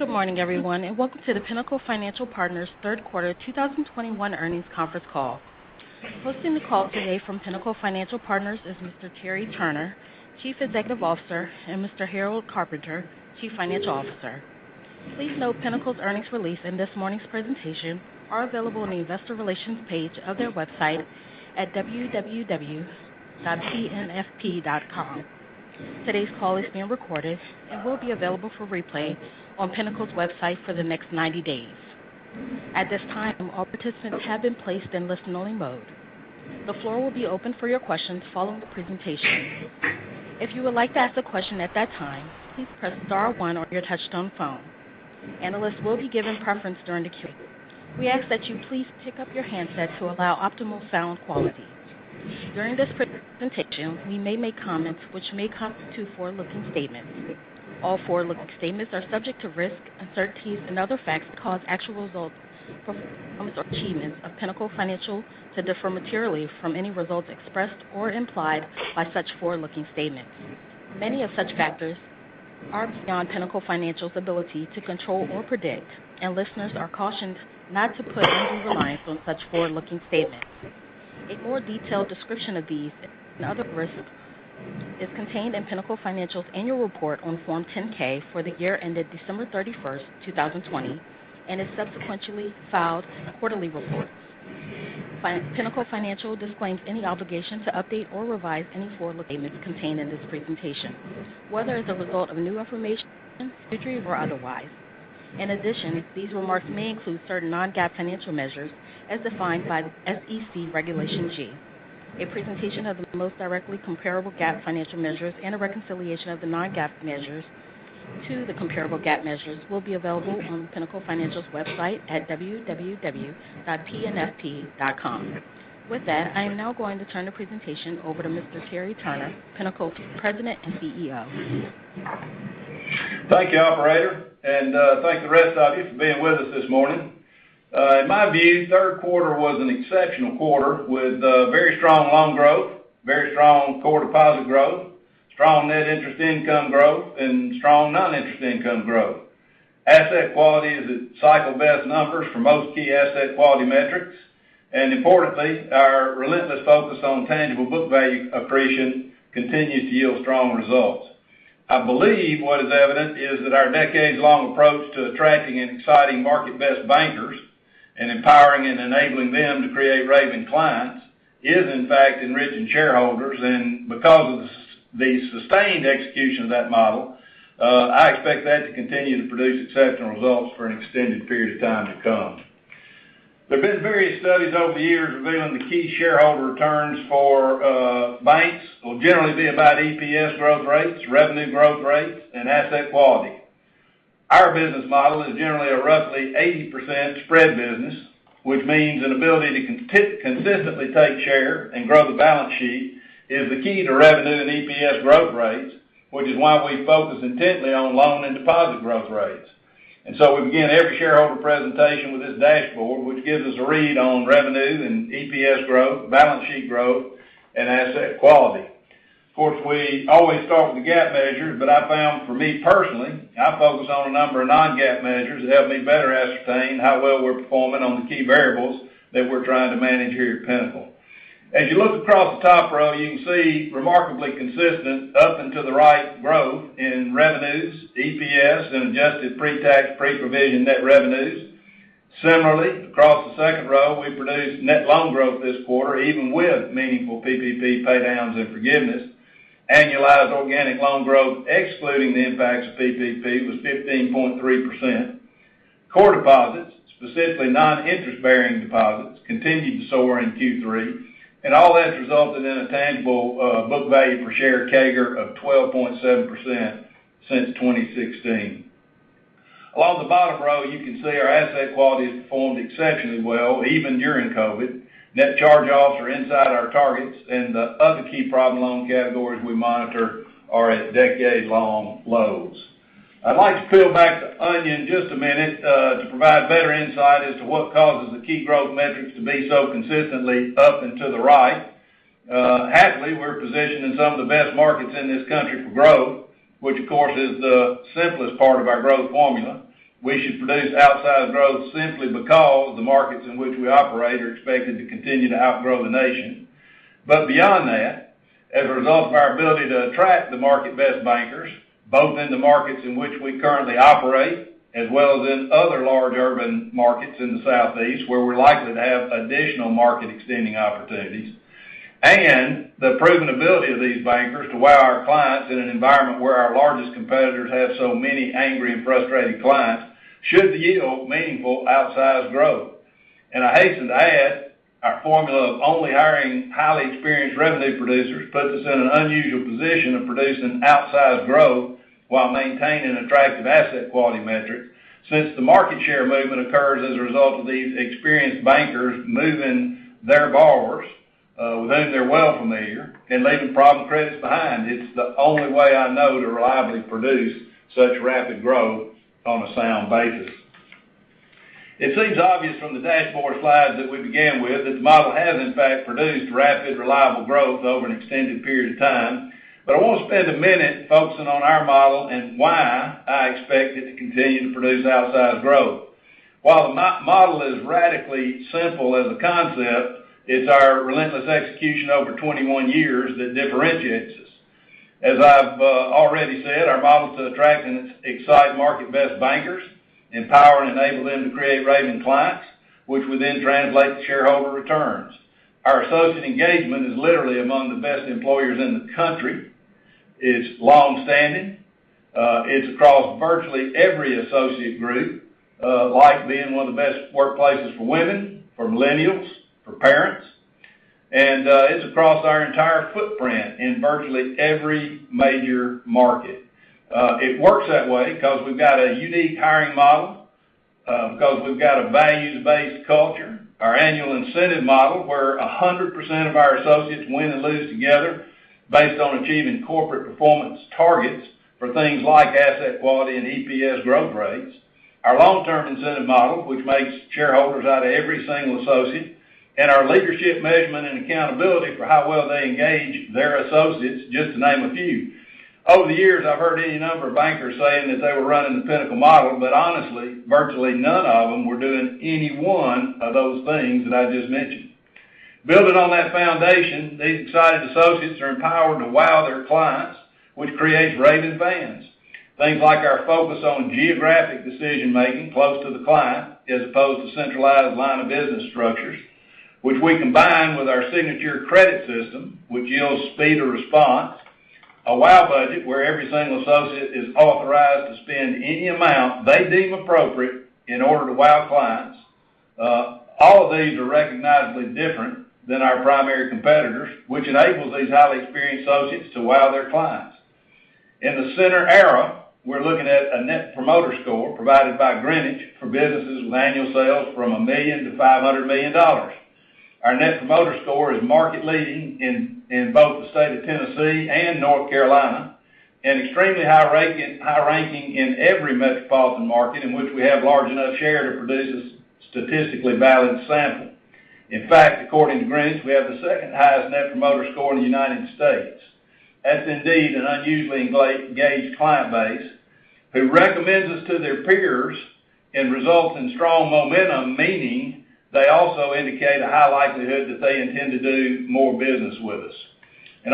Good morning, everyone, and welcome to the Pinnacle Financial Partners third quarter 2021 earnings conference call. Hosting the call today from Pinnacle Financial Partners is Mr. Terry Turner, Chief Executive Officer, and Mr. Harold Carpenter, Chief Financial Officer. Please note Pinnacle's earnings release and this morning's presentation are available on the investor relations page of their website at www.pnfp.com. Today's call is being recorded and will be available for replay on Pinnacle's website for the next 90 days. At this time, all participants have been placed in listen-only mode. The floor will be open for your questions following the presentation. If you would like to ask a question at that time, please press star one on your touchtone phone. Analysts will be given preference during the queue. We ask that you please pick up your handsets to allow optimal sound quality. During this presentation, we may make comments which may constitute forward-looking statements. All forward-looking statements are subject to risks, uncertainties, and other effects that cause actual results from performance or achievements of Pinnacle Financial to differ materially from any results expressed or implied by such forward-looking statements. Many of such factors are beyond Pinnacle Financial's ability to control or predict, and listeners are cautioned not to put any reliance on such forward-looking statements. A more detailed description of these and other risks is contained in Pinnacle Financial's annual report on Form 10-K for the year ended December 31, 2020, and is subsequently filed in quarterly reports. Pinnacle Financial disclaims any obligation to update or revise any forward-looking statements contained in this presentation, whether as a result of new information, future events, or otherwise. In addition, these remarks may include certain non-GAAP financial measures as defined by SEC Regulation G. A presentation of the most directly comparable GAAP financial measures and a reconciliation of the non-GAAP measures to the comparable GAAP measures will be available on Pinnacle Financial's website at www.pnfp.com. With that, I am now going to turn the presentation over to Mr. Terry Turner, Pinnacle President and CEO. Thank you, operator, and thank the rest of you for being with us this morning. In my view, third quarter was an exceptional quarter with very strong loan growth, very strong core deposit growth, strong net interest income growth, and strong non-interest income growth. Asset quality is at cycle best numbers for most key asset quality metrics. Importantly, our relentless focus on tangible book value accretion continues to yield strong results. I believe what is evident is that our decades-long approach to attracting and exciting market-best bankers and empowering and enabling them to create raving clients is, in fact, enriching shareholders. Because of the sustained execution of that model, I expect that to continue to produce exceptional results for an extended period of time to come. There have been various studies over the years revealing the key shareholder returns for banks will generally be about EPS growth rates, revenue growth rates, and asset quality. Our business model is generally a roughly 80% spread business, which means an ability to consistently take share and grow the balance sheet is the key to revenue and EPS growth rates, which is why we focus intently on loan and deposit growth rates. We begin every shareholder presentation with this dashboard, which gives us a read on revenue and EPS growth, balance sheet growth, and asset quality. Of course, we always start with the GAAP measures, but I found for me personally, I focus on a number of non-GAAP measures that help me better ascertain how well we're performing on the key variables that we're trying to manage here at Pinnacle. As you look across the top row, you can see remarkably consistent up and to the right growth in revenues, EPS, and adjusted pre-tax, pre-provision net revenues. Similarly, across the second row, we produced net loan growth this quarter, even with meaningful PPP paydowns and forgiveness. Annualized organic loan growth, excluding the impacts of PPP, was 15.3%. Core deposits, specifically non-interest-bearing deposits, continued to soar in Q3, and all that's resulted in a tangible book value per share CAGR of 12.7% since 2016. Along the bottom row, you can see our asset quality has performed exceptionally well, even during COVID. Net charge-offs are inside our targets, and the other key problem loan categories we monitor are at decades-long lows. I'd like to peel back the onion just a minute to provide better insight as to what causes the key growth metrics to be so consistently up and to the right. Happily, we're positioned in some of the best markets in this country for growth, which of course, is the simplest part of our growth formula. We should produce outsized growth simply because the markets in which we operate are expected to continue to outgrow the nation. Beyond that, as a result of our ability to attract the market-best bankers, both in the markets in which we currently operate, as well as in other large urban markets in the Southeast, where we're likely to have additional market extending opportunities, and the proven ability of these bankers to wow our clients in an environment where our largest competitors have so many angry and frustrated clients, should yield meaningful outsized growth. I hasten to add, our formula of only hiring highly experienced revenue producers puts us in an unusual position of producing outsized growth while maintaining attractive asset quality metrics. Since the market share movement occurs as a result of these experienced bankers moving their borrowers, with whom they're well familiar and leaving problem credits behind, it's the only way I know to reliably produce such rapid growth on a sound basis. It seems obvious from the dashboard slides that we began with that the model has in fact produced rapid, reliable growth over an extended period of time. I want to spend a minute focusing on our model and why I expect it to continue to produce outsized growth. While the model is radically simple as a concept, it's our relentless execution over 21 years that differentiates us. As I've already said, our model is to attract and excite market-best bankers, empower and enable them to create raving clients, which will then translate to shareholder returns. Our associate engagement is literally among the best employers in the country. It's longstanding, it's across virtually every associate group, like being one of the best workplaces for women, for millennials, for parents. It's across our entire footprint in virtually every major market. It works that way because we've got a unique hiring model, because we've got a values-based culture, our annual incentive model, where 100% of our associates win and lose together based on achieving corporate performance targets for things like asset quality and EPS growth rates. Our long-term incentive model, which makes shareholders out of every single associate, and our leadership measurement and accountability for how well they engage their associates, just to name a few. Over the years, I've heard any number of bankers saying that they were running the Pinnacle model, but honestly, virtually none of them were doing any one of those things that I just mentioned. Building on that foundation, these excited associates are empowered to wow their clients, which creates raving fans. Things like our focus on geographic decision-making close to the client, as opposed to centralized line of business structures, which we combine with our signature credit system, which yields speed of response, a wow budget where every single associate is authorized to spend any amount they deem appropriate in order to wow clients, all of these are recognizably different than our primary competitors, which enables these highly experienced associates to wow their clients. In the center there, we're looking at a Net Promoter Score provided by Greenwich for businesses with annual sales from $1 million-$500 million. Our Net Promoter Score is market-leading in both the state of Tennessee and North Carolina, and extremely high ranking in every metropolitan market in which we have large enough share to produce a statistically valid sample. In fact, according to Greenwich, we have the second-highest Net Promoter Score in the United States. That's indeed an unusually engaged client base who recommends us to their peers and results in strong momentum, meaning they also indicate a high likelihood that they intend to do more business with us.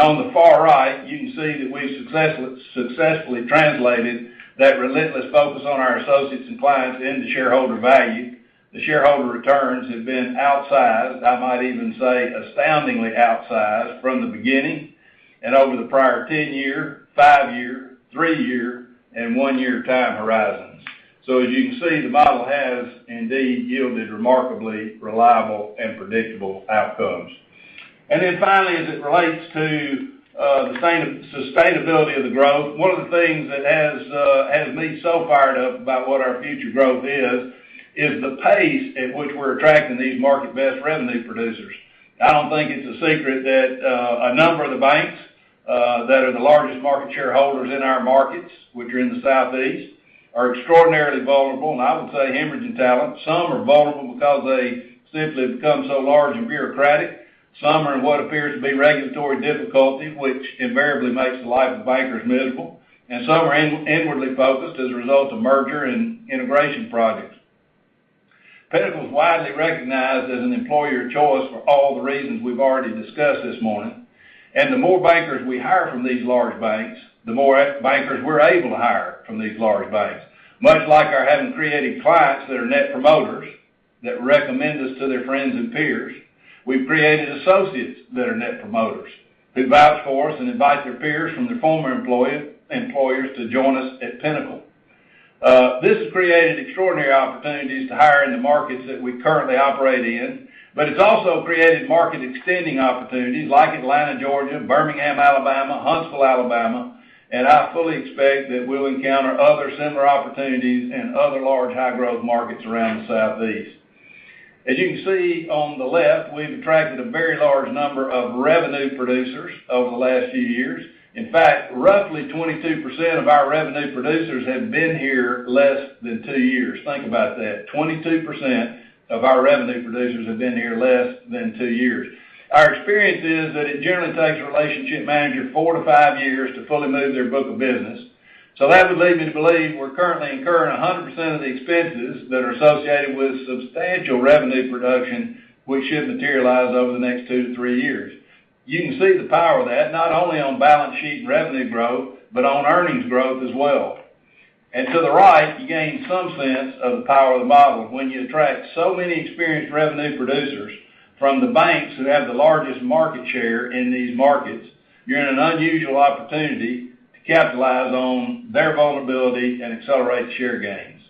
On the far right, you can see that we successfully translated that relentless focus on our associates and clients into shareholder value. The shareholder returns have been outsized, I might even say astoundingly outsized from the beginning and over the prior 10-year, five-year, three-year, and one-year time horizons. As you can see, the model has indeed yielded remarkably reliable and predictable outcomes. Finally, as it relates to the sustainability of the growth, one of the things that has me so fired up about what our future growth is the pace at which we're attracting these market-best revenue producers. I don't think it's a secret that a number of the banks that are the largest market shareholders in our markets, which are in the Southeast, are extraordinarily vulnerable, and I would say hemorrhaging talent. Some are vulnerable because they simply have become so large and bureaucratic. Some are in what appears to be regulatory difficulty, which invariably makes the life of bankers miserable, and some are inwardly focused as a result of merger and integration projects. Pinnacle is widely recognized as an employer of choice for all the reasons we've already discussed this morning. The more bankers we hire from these large banks, the more bankers we're able to hire from these large banks. Much like our having created clients that are net promoters that recommend us to their friends and peers, we've created associates that are net promoters who vouch for us and invite their peers from their former employers to join us at Pinnacle. This has created extraordinary opportunities to hire in the markets that we currently operate in, but it's also created market extending opportunities like Atlanta, Georgia, Birmingham, Alabama, Huntsville, Alabama. I fully expect that we'll encounter other similar opportunities in other large, high-growth markets around the Southeast. As you can see on the left, we've attracted a very large number of revenue producers over the last few years. In fact, roughly 22% of our revenue producers have been here less than two years. Think about that. 22% of our revenue producers have been here less than two years. Our experience is that it generally takes a relationship manager four-five years to fully move their book of business. That would lead me to believe we're currently incurring 100% of the expenses that are associated with substantial revenue production, which should materialize over the next two-three years. You can see the power of that, not only on balance sheet revenue growth, but on earnings growth as well. To the right, you gain some sense of the power of the model. When you attract so many experienced revenue producers from the banks who have the largest market share in these markets, you're in an unusual opportunity to capitalize on their vulnerability and accelerate the share gains.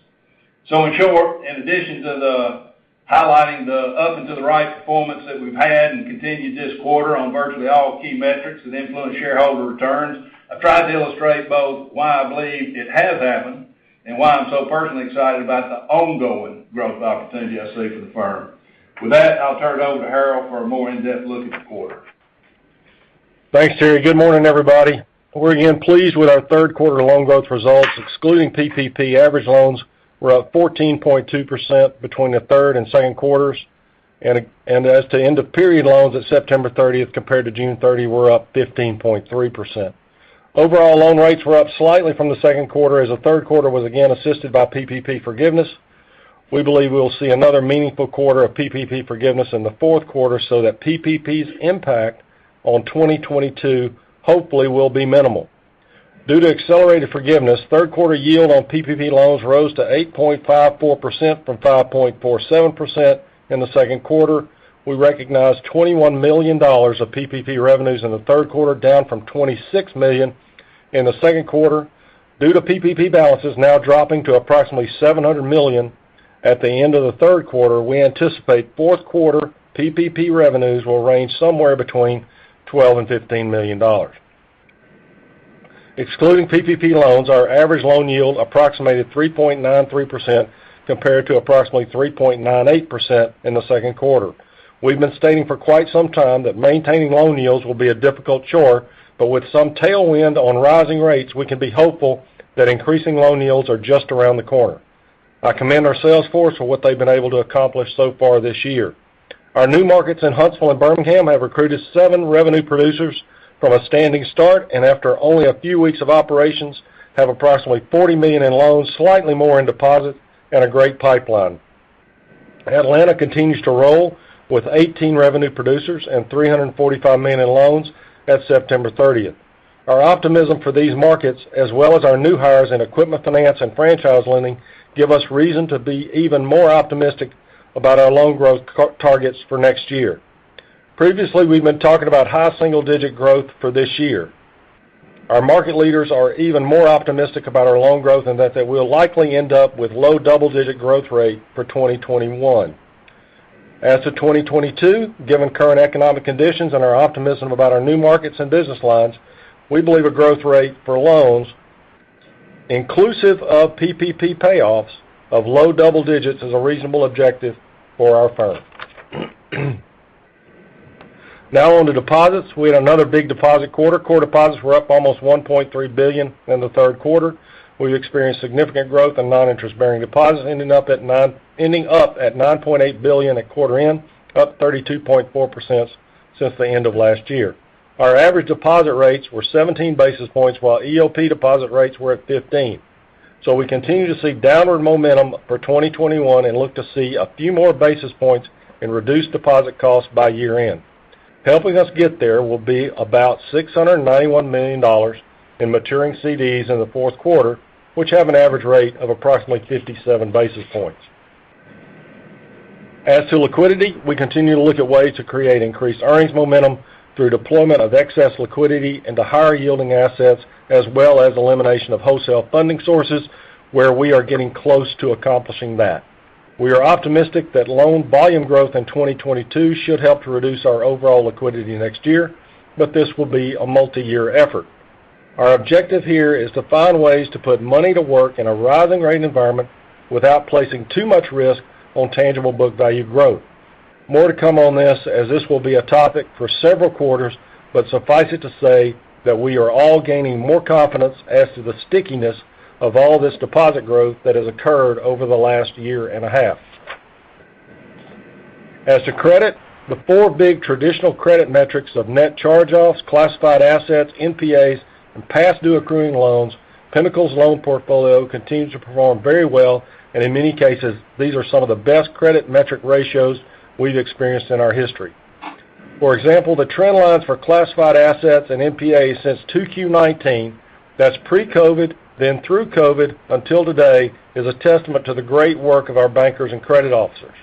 In short, in addition to the highlighting the up and to the right performance that we've had and continued this quarter on virtually all key metrics that influence shareholder returns, I've tried to illustrate both why I believe it has happened and why I'm so personally excited about the ongoing growth opportunity I see for the firm. With that, I'll turn it over to Harold Carpenter for a more in-depth look at the quarter. Thanks, Terry. Good morning, everybody. We're again pleased with our third quarter loan growth results. Excluding PPP, average loans were up 14.2% between the third and second quarters. As to end-of-period loans at September 30 compared to June 30 were up 15.3%. Overall loan rates were up slightly from the second quarter as the third quarter was again assisted by PPP forgiveness. We believe we will see another meaningful quarter of PPP forgiveness in the fourth quarter so that PPP's impact on 2022 hopefully will be minimal. Due to accelerated forgiveness, third quarter yield on PPP loans rose to 8.54% from 5.47% in the second quarter. We recognized $21 million of PPP revenues in the third quarter, down from $26 million in the second quarter. Due to PPP balances now dropping to approximately $700 million at the end of the third quarter, we anticipate fourth quarter PPP revenues will range somewhere between $12 million and $15 million. Excluding PPP loans, our average loan yield approximated 3.93% compared to approximately 3.98% in the second quarter. We've been stating for quite some time that maintaining loan yields will be a difficult chore, but with some tailwind on rising rates, we can be hopeful that increasing loan yields are just around the corner. I commend our sales force for what they've been able to accomplish so far this year. Our new markets in Huntsville and Birmingham have recruited seven revenue producers from a standing start, and after only a few weeks of operations, have approximately $40 million in loans, slightly more in deposit, and a great pipeline. Atlanta continues to roll with 18 revenue producers and $345 million in loans at September 30. Our optimism for these markets, as well as our new hires in equipment finance and franchise lending, give us reason to be even more optimistic about our loan growth targets for next year. Previously, we've been talking about high single-digit growth for this year. Our market leaders are even more optimistic about our loan growth, and that they will likely end up with low double-digit growth rate for 2021. As to 2022, given current economic conditions and our optimism about our new markets and business lines, we believe a growth rate for loans inclusive of PPP payoffs of low double digits is a reasonable objective for our firm. Now on to deposits. We had another big deposit quarter. Core deposits were up almost $1.3 billion in the third quarter. We experienced significant growth in non-interest-bearing deposits, ending up at $9.8 billion at quarter end, up 32.4% since the end of last year. Our average deposit rates were 17 basis points, while EOP deposit rates were at 15. We continue to see downward momentum for 2021 and look to see a few more basis points in reduced deposit costs by year-end. Helping us get there will be about $691 million in maturing CDs in the fourth quarter, which have an average rate of approximately 57 basis points. As to liquidity, we continue to look at ways to create increased earnings momentum through deployment of excess liquidity into higher-yielding assets, as well as elimination of wholesale funding sources where we are getting close to accomplishing that. We are optimistic that loan volume growth in 2022 should help to reduce our overall liquidity next year, but this will be a multiyear effort. Our objective here is to find ways to put money to work in a rising rate environment without placing too much risk on tangible book value growth. More to come on this as this will be a topic for several quarters, but suffice it to say that we are all gaining more confidence as to the stickiness of all this deposit growth that has occurred over the last year and a half. As to credit, the four big traditional credit metrics of net charge-offs, classified assets, NPAs, and past due accruing loans, Pinnacle's loan portfolio continues to perform very well, and in many cases, these are some of the best credit metric ratios we've experienced in our history. For example, the trend lines for classified assets and NPAs since 2Q 2019, that's pre-COVID, then through COVID until today, is a testament to the great work of our bankers and credit officers.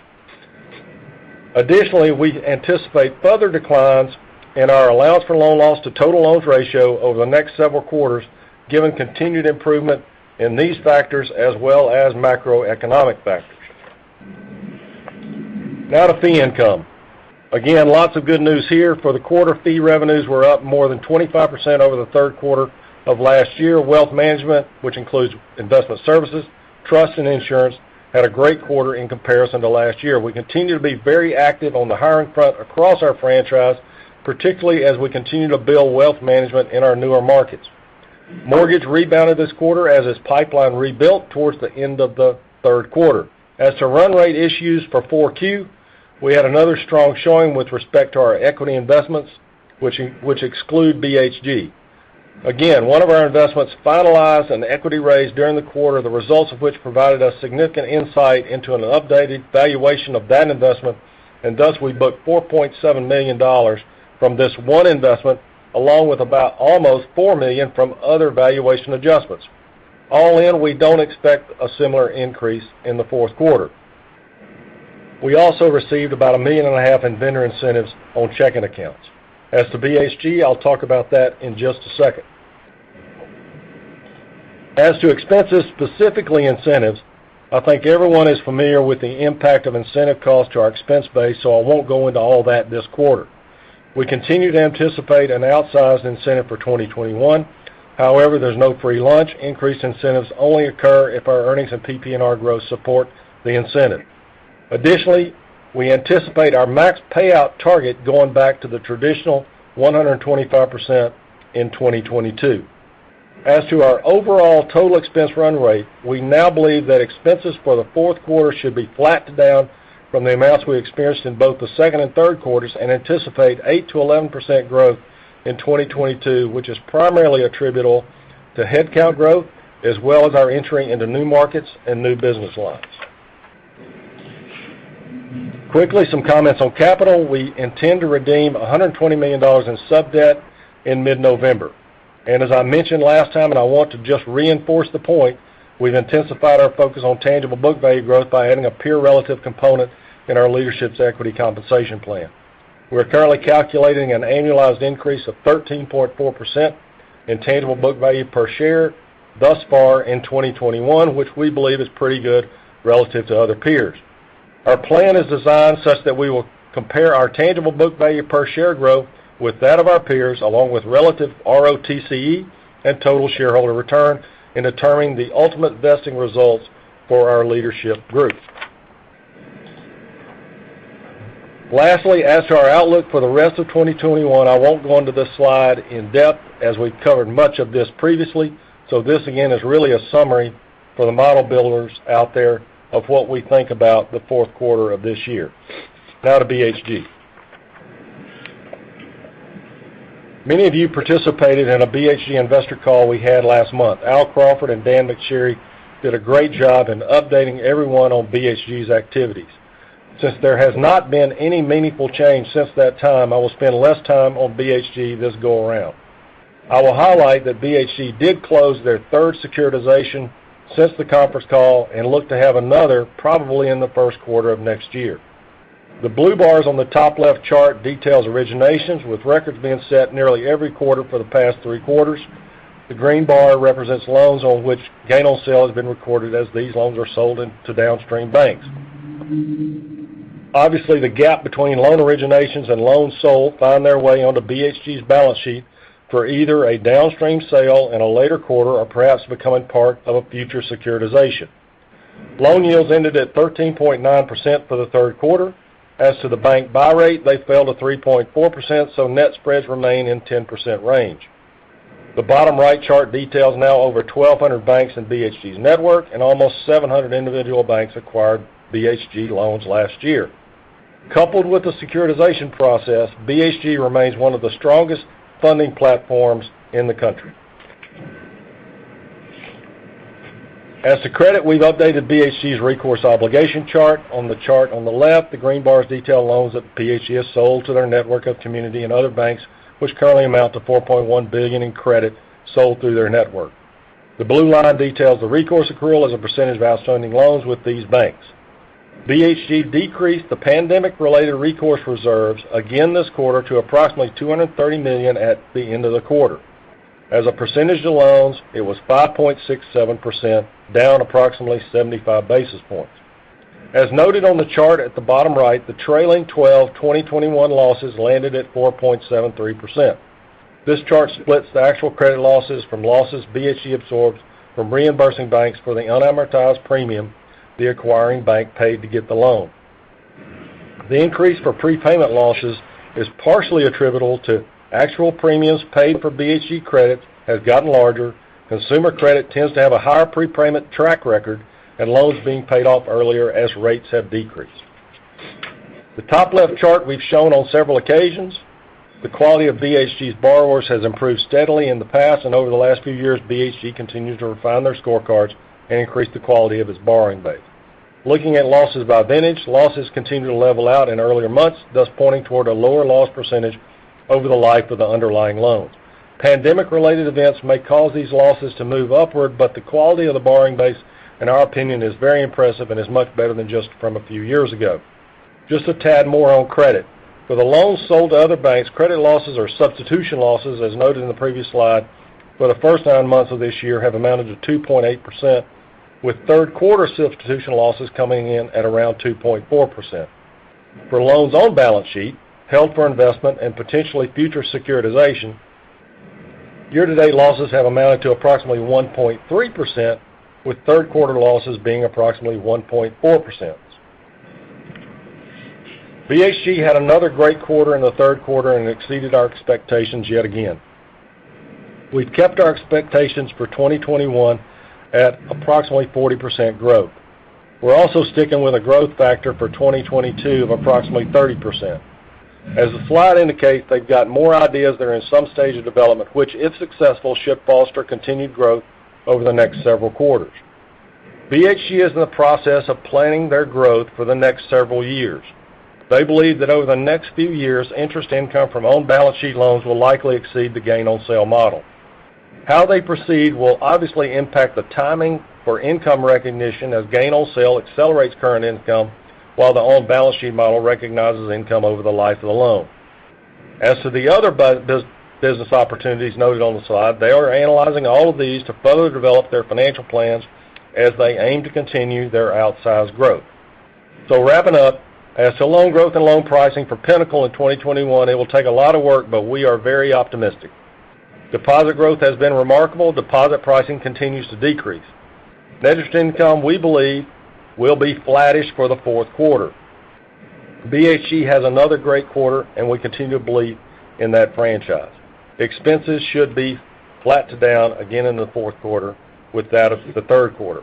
Additionally, we anticipate further declines in our allowance for loan loss to total loans ratio over the next several quarters, given continued improvement in these factors as well as macroeconomic factors. Now to fee income. Again, lots of good news here. For the quarter, fee revenues were up more than 25% over the third quarter of last year. Wealth management, which includes investment services, trust, and insurance, had a great quarter in comparison to last year. We continue to be very active on the hiring front across our franchise, particularly as we continue to build wealth management in our newer markets. Mortgage rebounded this quarter as its pipeline rebuilt towards the end of the third quarter. As to run rate issues for Q4, we had another strong showing with respect to our equity investments, which exclude BHG. Again, one of our investments finalized an equity raise during the quarter, the results of which provided us significant insight into an updated valuation of that investment. Thus, we booked $4.7 million from this one investment, along with about almost $4 million from other valuation adjustments. All in, we don't expect a similar increase in the fourth quarter. We also received about $1.5 million in vendor incentives on checking accounts. As to BHG, I'll talk about that in just a second. As to expenses, specifically incentives, I think everyone is familiar with the impact of incentive costs to our expense base, so I won't go into all that this quarter. We continue to anticipate an outsized incentive for 2021. However, there's no free lunch. Increased incentives only occur if our earnings and PPNR growth support the incentive. Additionally, we anticipate our max payout target going back to the traditional 125% in 2022. As to our overall total expense run rate, we now believe that expenses for the fourth quarter should be flat to down from the amounts we experienced in both the second and third quarters, and anticipate 8%-11% growth in 2022, which is primarily attributable to headcount growth as well as our entering into new markets and new business lines. Quickly, some comments on capital. We intend to redeem $120 million in sub-debt in mid-November. As I mentioned last time, and I want to just reinforce the point, we've intensified our focus on tangible book value growth by adding a peer relative component in our leadership's equity compensation plan. We're currently calculating an annualized increase of 13.4% in tangible book value per share thus far in 2021, which we believe is pretty good relative to other peers. Our plan is designed such that we will compare our tangible book value per share growth with that of our peers, along with relative ROTCE and total shareholder return in determining the ultimate vesting results for our leadership group. Lastly, as to our outlook for the rest of 2021, I won't go into this slide in depth as we've covered much of this previously, so this again is really a summary for the model builders out there of what we think about the fourth quarter of this year. Now to BHG. Many of you participated in a BHG investor call we had last month. Al Crawford and Dan McSherry did a great job in updating everyone on BHG's activities. Since there has not been any meaningful change since that time, I will spend less time on BHG this go around. I will highlight that BHG did close their third securitization since the conference call and look to have another probably in the first quarter of next year. The blue bars on the top left chart details originations, with records being set nearly every quarter for the past three quarters. The green bar represents loans on which gain on sale has been recorded as these loans are sold into downstream banks. Obviously, the gap between loan originations and loans sold find their way onto BHG's balance sheet for either a downstream sale in a later quarter or perhaps becoming part of a future securitization. Loan yields ended at 13.9% for the third quarter. As to the bank buy rate, they fell to 3.4%, so net spreads remain in 10% range. The bottom right chart details now over 1,200 banks in BHG's network and almost 700 individual banks acquired BHG loans last year. Coupled with the securitization process, BHG remains one of the strongest funding platforms in the country. As to credit, we've updated BHG's recourse obligation chart. On the chart on the left, the green bars detail loans that BHG has sold to their network of community and other banks, which currently amount to $4.1 billion in credit sold through their network. The blue line details the recourse accrual as a percentage of outstanding loans with these banks. BHG decreased the pandemic-related recourse reserves again this quarter to approximately $230 million at the end of the quarter. As a percentage of loans, it was 5.67%, down approximately 75 basis points. As noted on the chart at the bottom right, the trailing twelve 2021 losses landed at 4.73%. This chart splits the actual credit losses from losses BHG absorbs from reimbursing banks for the unamortized premium the acquiring bank paid to get the loan. The increase for prepayment losses is partially attributable to actual premiums paid for BHG credits has gotten larger. Consumer credit tends to have a higher prepayment track record and loans being paid off earlier as rates have decreased. The top left chart we've shown on several occasions. The quality of BHG's borrowers has improved steadily in the past and over the last few years, BHG continued to refine their scorecards and increase the quality of its borrowing base. Looking at losses by vintage, losses continue to level out in earlier months, thus pointing toward a lower loss percentage over the life of the underlying loans. Pandemic-related events may cause these losses to move upward, but the quality of the borrowing base, in our opinion, is very impressive and is much better than just from a few years ago. Just a tad more on credit. For the loans sold to other banks, credit losses or substitution losses, as noted in the previous slide, for the first nine months of this year have amounted to 2.8%, with third quarter substitution losses coming in at around 2.4%. For loans on balance sheet, held for investment and potentially future securitization, year-to-date losses have amounted to approximately 1.3%, with third quarter losses being approximately 1.4%. BHG had another great quarter in the third quarter and exceeded our expectations yet again. We've kept our expectations for 2021 at approximately 40% growth. We're also sticking with a growth factor for 2022 of approximately 30%. As the slide indicates, they've got more ideas that are in some stage of development, which, if successful, should foster continued growth over the next several quarters. BHG is in the process of planning their growth for the next several years. They believe that over the next few years, interest income from on-balance sheet loans will likely exceed the gain on sale model. How they proceed will obviously impact the timing for income recognition as gain on sale accelerates current income while the on-balance sheet model recognizes income over the life of the loan. As to the other business opportunities noted on the slide, they are analyzing all of these to further develop their financial plans as they aim to continue their outsized growth. Wrapping up, as to loan growth and loan pricing for Pinnacle in 2021, it will take a lot of work, but we are very optimistic. Deposit growth has been remarkable. Deposit pricing continues to decrease. Net interest income, we believe, will be flattish for the fourth quarter. BHG has another great quarter, and we continue to believe in that franchise. Expenses should be flat to down again in the fourth quarter with that of the third quarter.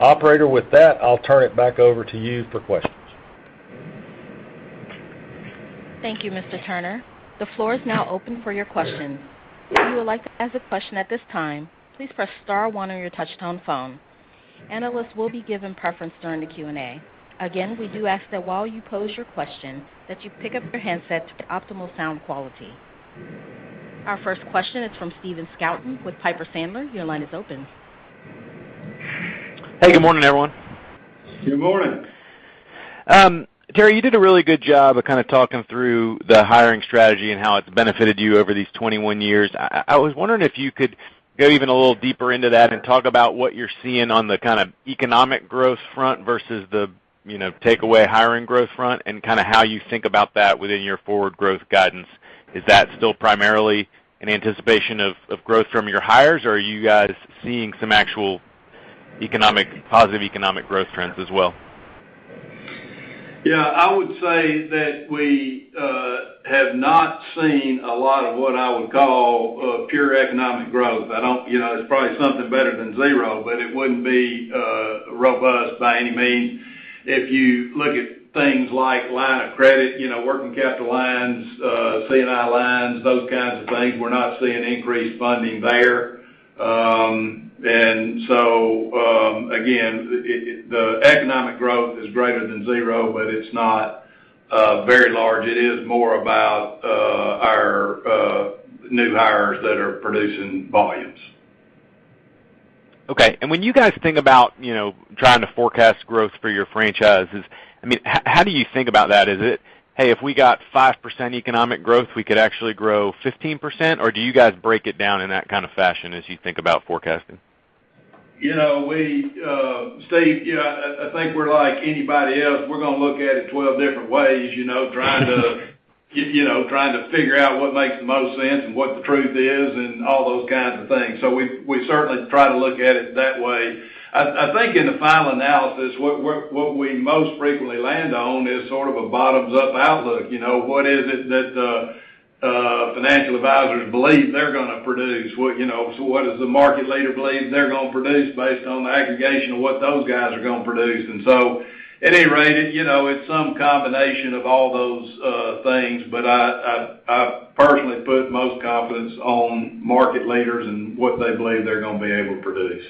Operator, with that, I'll turn it back over to you for questions. Thank you, Mr. Turner. The floor is now open for your questions. If you would like to ask a question at this time, please press star one on your touchtone phone. Analysts will be given preference during the Q&A. Again, we do ask that while you pose your question, that you pick up your handset to get optimal sound quality. Our first question is from Stephen Scouten with Piper Sandler. Your line is open. Hey, good morning, everyone. Good morning. Terry, you did a really good job of kinda talking through the hiring strategy and how it's benefited you over these 21 years. I was wondering if you could go even a little deeper into that and talk about what you're seeing on the kinda economic growth front versus the, you know, takeaway hiring growth front and kinda how you think about that within your forward growth guidance. Is that still primarily in anticipation of growth from your hires, or are you guys seeing some actual positive economic growth trends as well? Yeah, I would say that we have not seen a lot of what I would call pure economic growth. I don't, you know, it's probably something better than zero, but it wouldn't be robust by any means. If you look at things like line of credit, you know, working capital lines, C&I lines, those kinds of things, we're not seeing increased funding there. Again, the economic growth is greater than zero, but it's not very large. It is more about our new hires that are producing volumes. Okay. When you guys think about, you know, trying to forecast growth for your franchises, I mean, how do you think about that? Is it, "Hey, if we got 5% economic growth, we could actually grow 15%?" Or do you guys break it down in that kind of fashion as you think about forecasting? You know, we, Steve, you know, I think we're like anybody else. We're gonna look at it 12 different ways, you know, trying to figure out what makes the most sense and what the truth is and all those kinds of things. We certainly try to look at it that way. I think in the final analysis, what we most frequently land on is sort of a bottoms-up outlook. You know, what is it that financial advisors believe they're gonna produce? What, you know, so what does the market leader believe they're gonna produce based on the aggregation of what those guys are gonna produce? At any rate, you know, it's some combination of all those things, but I personally put most confidence on market leaders and what they believe they're gonna be able to produce.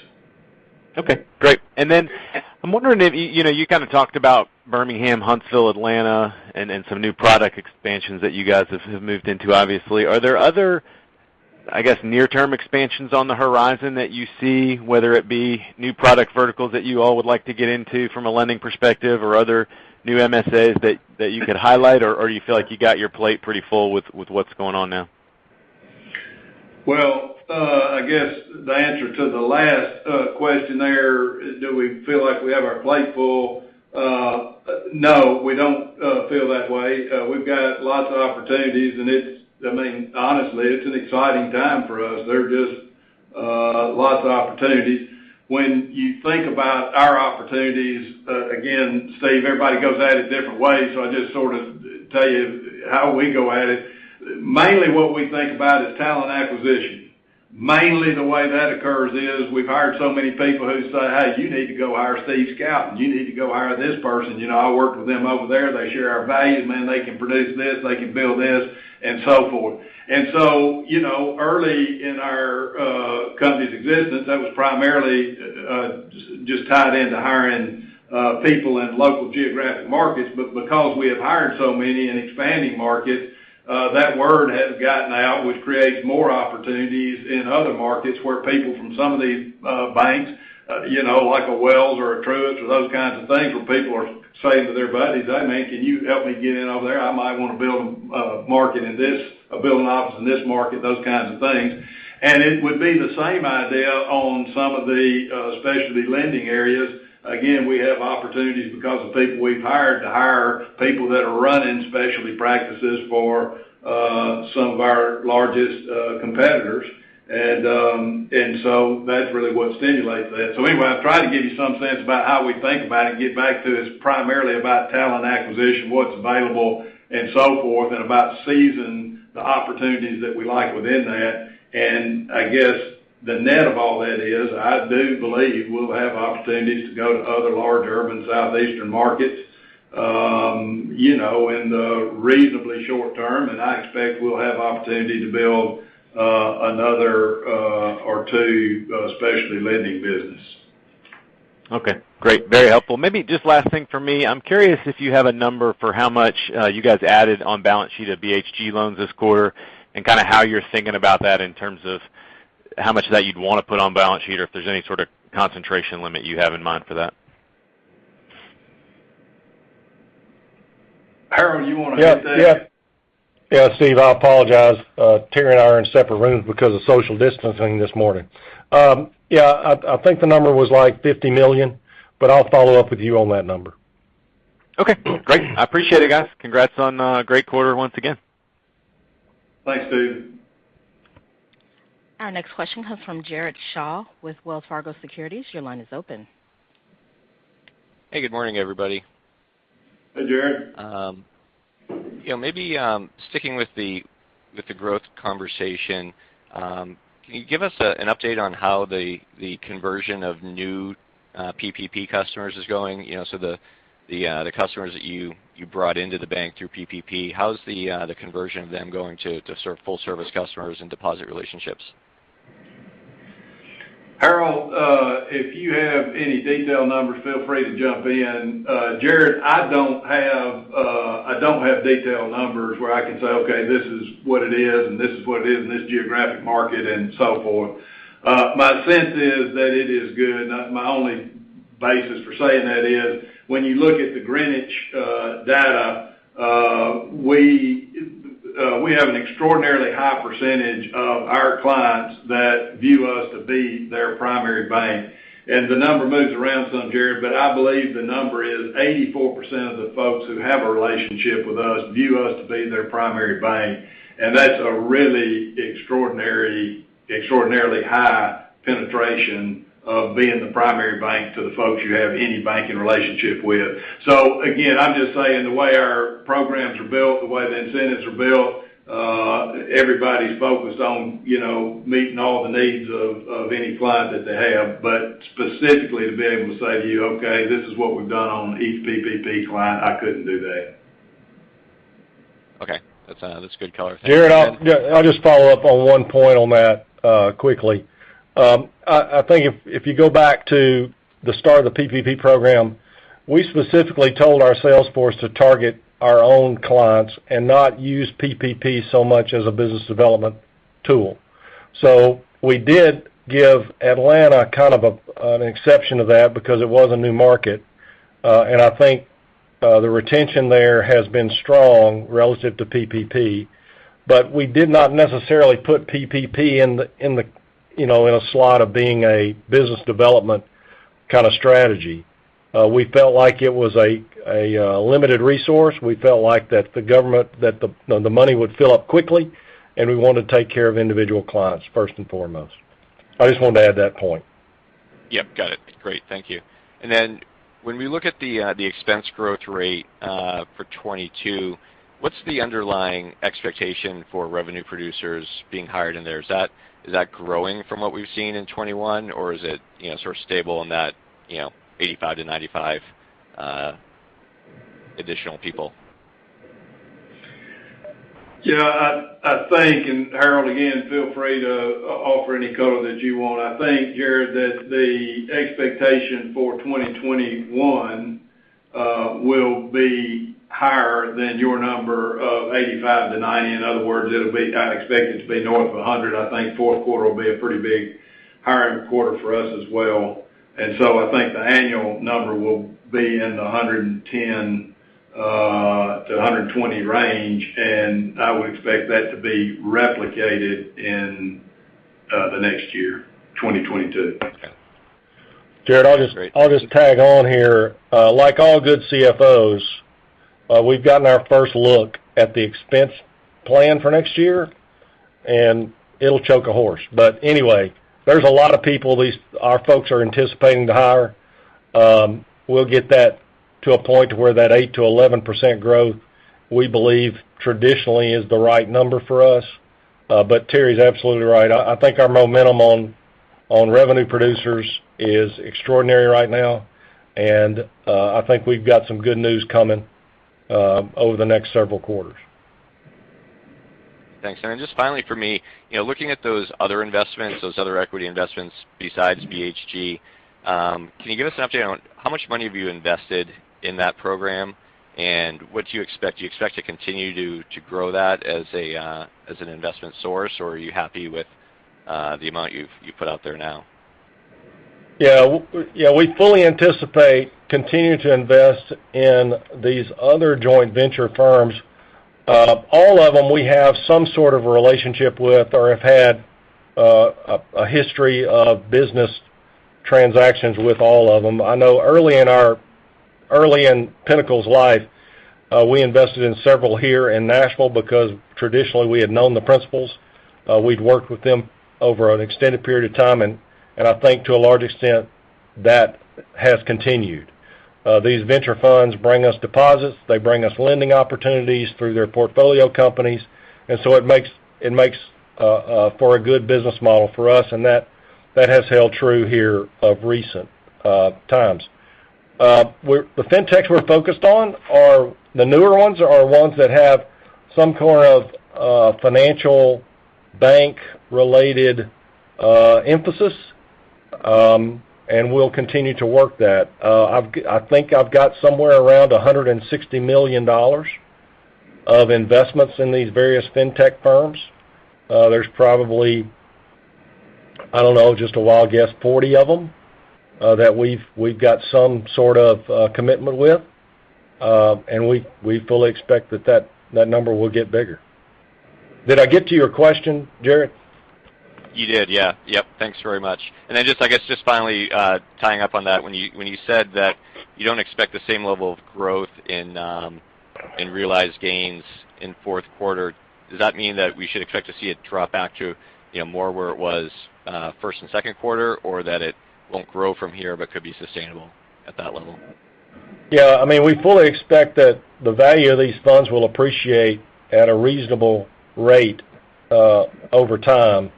Okay. Great. I'm wondering if, you know, you kind of talked about Birmingham, Huntsville, Atlanta, and some new product expansions that you guys have moved into, obviously. Are there other, I guess, near-term expansions on the horizon that you see, whether it be new product verticals that you all would like to get into from a lending perspective or other new MSAs that you could highlight, or you feel like you got your plate pretty full with what's going on now? Well, I guess the answer to the last question there is, do we feel like we have our plate full? No, we don't feel that way. We've got lots of opportunities, and it's, I mean, honestly, an exciting time for us. There are just lots of opportunities. When you think about our opportunities, again, Steve, everybody goes at it different ways, so I just sort of tell you how we go at it. Mainly, what we think about is talent acquisition. Mainly, the way that occurs is we've hired so many people who say, "Hey, you need to go hire Stephen Scouten. You need to go hire this person. You know, I worked with them over there. They share our values. Man, they can produce this, they can build this," and so forth. You know, early in our company's existence, that was primarily just tied into hiring people in local geographic markets. Because we have hired so many in expanding markets, that word has gotten out, which creates more opportunities in other markets where people from some of these banks, you know, like a Wells or a Truist or those kinds of things, where people are saying to their buddies, "Hey, man, can you help me get in over there? I might wanna build a market in this, or build an office in this market," those kinds of things. It would be the same idea on some of the specialty lending areas. Again, we have opportunities because of people we've hired to hire people that are running specialty practices for some of our largest competitors. That's really what stimulates that. Anyway, I've tried to give you some sense about how we think about it and get back to it. It's primarily about talent acquisition, what's available, and so forth, and about seizing the opportunities that we like within that. I guess the net of all that is, I do believe we'll have opportunities to go to other large urban Southeastern markets, you know, in the reasonably short term, and I expect we'll have opportunity to build another or two specialty lending business. Okay, great. Very helpful. Maybe just last thing for me. I'm curious if you have a number for how much you guys added on balance sheet of BHG loans this quarter and kinda how you're thinking about that in terms of how much of that you'd wanna put on balance sheet, or if there's any sort of concentration limit you have in mind for that? Harold, you wanna hit that? Yes. Yeah, Steve, I apologize. Terry and I are in separate rooms because of social distancing this morning. Yeah, I think the number was, like, $50 million, but I'll follow up with you on that number. Okay, great. I appreciate it, guys. Congrats on a great quarter once again. Thanks, Steve. Our next question comes from Jared Shaw with Wells Fargo Securities. Your line is open. Hey, good morning, everybody. Hey, Jared. You know, maybe sticking with the growth conversation, can you give us an update on how the conversion of new PPP customers is going? You know, so the customers that you brought into the bank through PPP, how's the conversion of them going to serve full service customers and deposit relationships? Harold, if you have any detailed numbers, feel free to jump in. Jared, I don't have detailed numbers where I can say, okay, this is what it is, and this is what it is in this geographic market, and so forth. My sense is that it is good. Now my only basis for saying that is when you look at the Greenwich data, we have an extraordinarily high percentage of our clients that view us to be their primary bank. The number moves around some, Jared, but I believe the number is 84% of the folks who have a relationship with us view us to be their primary bank. That's a really extraordinarily high penetration of being the primary bank to the folks you have any banking relationship with. Again, I'm just saying the way our programs are built, the way the incentives are built, everybody's focused on, you know, meeting all the needs of any client that they have. Specifically, to be able to say to you, okay, this is what we've done on each PPP client, I couldn't do that. Okay. That's good color. Thank you. Jared, I'll- Yeah, I'll just follow up on one point on that quickly. I think if you go back to the start of the PPP program, we specifically told our sales force to target our own clients and not use PPP so much as a business development tool. We did give Atlanta kind of an exception to that because it was a new market, and I think the retention there has been strong relative to PPP. We did not necessarily put PPP in the, you know, in a slot of being a business development kind of strategy. We felt like it was a limited resource. We felt like the government, the money would fill up quickly, and we want to take care of individual clients first and foremost. I just wanted to add that point. Yep, got it. Great. Thank you. When we look at the expense growth rate for 2022, what's the underlying expectation for revenue producers being hired in there? Is that growing from what we've seen in 2021, or is it, you know, sort of stable in that, you know, 85-95 additional people? Yeah, I think, and Harold, again, feel free to offer any color that you want. I think, Jared, that the expectation for 2021 will be higher than your number of 85-90. In other words, it'll be. I expect it to be north of 100. I think fourth quarter will be a pretty big hiring quarter for us as well. I think the annual number will be in the 110 to 120 range, and I would expect that to be replicated in the next year, 2022. Okay. Jared, I'll just. Great. I'll just tag on here. Like all good CFOs, we've gotten our first look at the expense plan for next year, and it'll choke a horse. Anyway, there's a lot of people our folks are anticipating to hire. We'll get that to a point to where that 8%-11% growth we believe traditionally is the right number for us. Terry's absolutely right. I think our momentum on revenue producers is extraordinary right now, and I think we've got some good news coming over the next several quarters. Thanks. Just finally for me, you know, looking at those other investments, those other equity investments besides BHG, can you give us an update on how much money have you invested in that program? What do you expect? Do you expect to continue to grow that as an investment source, or are you happy with the amount you've put out there now? Yeah, we fully anticipate continuing to invest in these other joint venture firms. All of them we have some sort of a relationship with or have had a history of business transactions with all of them. I know early in Pinnacle's life, we invested in several here in Nashville because traditionally we had known the principals, we'd worked with them over an extended period of time, and I think to a large extent that has continued. These venture funds bring us deposits. They bring us lending opportunities through their portfolio companies, and so it makes for a good business model for us, and that has held true here in recent times. The fintechs we're focused on are the newer ones that have some kind of financial bank-related emphasis, and we'll continue to work that. I think I've got somewhere around $160 million of investments in these various fintech firms. There's probably, I don't know, just a wild guess, 40 of them that we've got some sort of commitment with. We fully expect that number will get bigger. Did I get to your question, Jared? You did, yeah. Yep. Thanks very much. Then just I guess just finally, tying up on that, when you said that you don't expect the same level of growth in realized gains in fourth quarter, does that mean that we should expect to see it drop back to, you know, more where it was, first and second quarter, or that it won't grow from here but could be sustainable at that level? Yeah, I mean, we fully expect that the value of these funds will appreciate at a reasonable rate over time.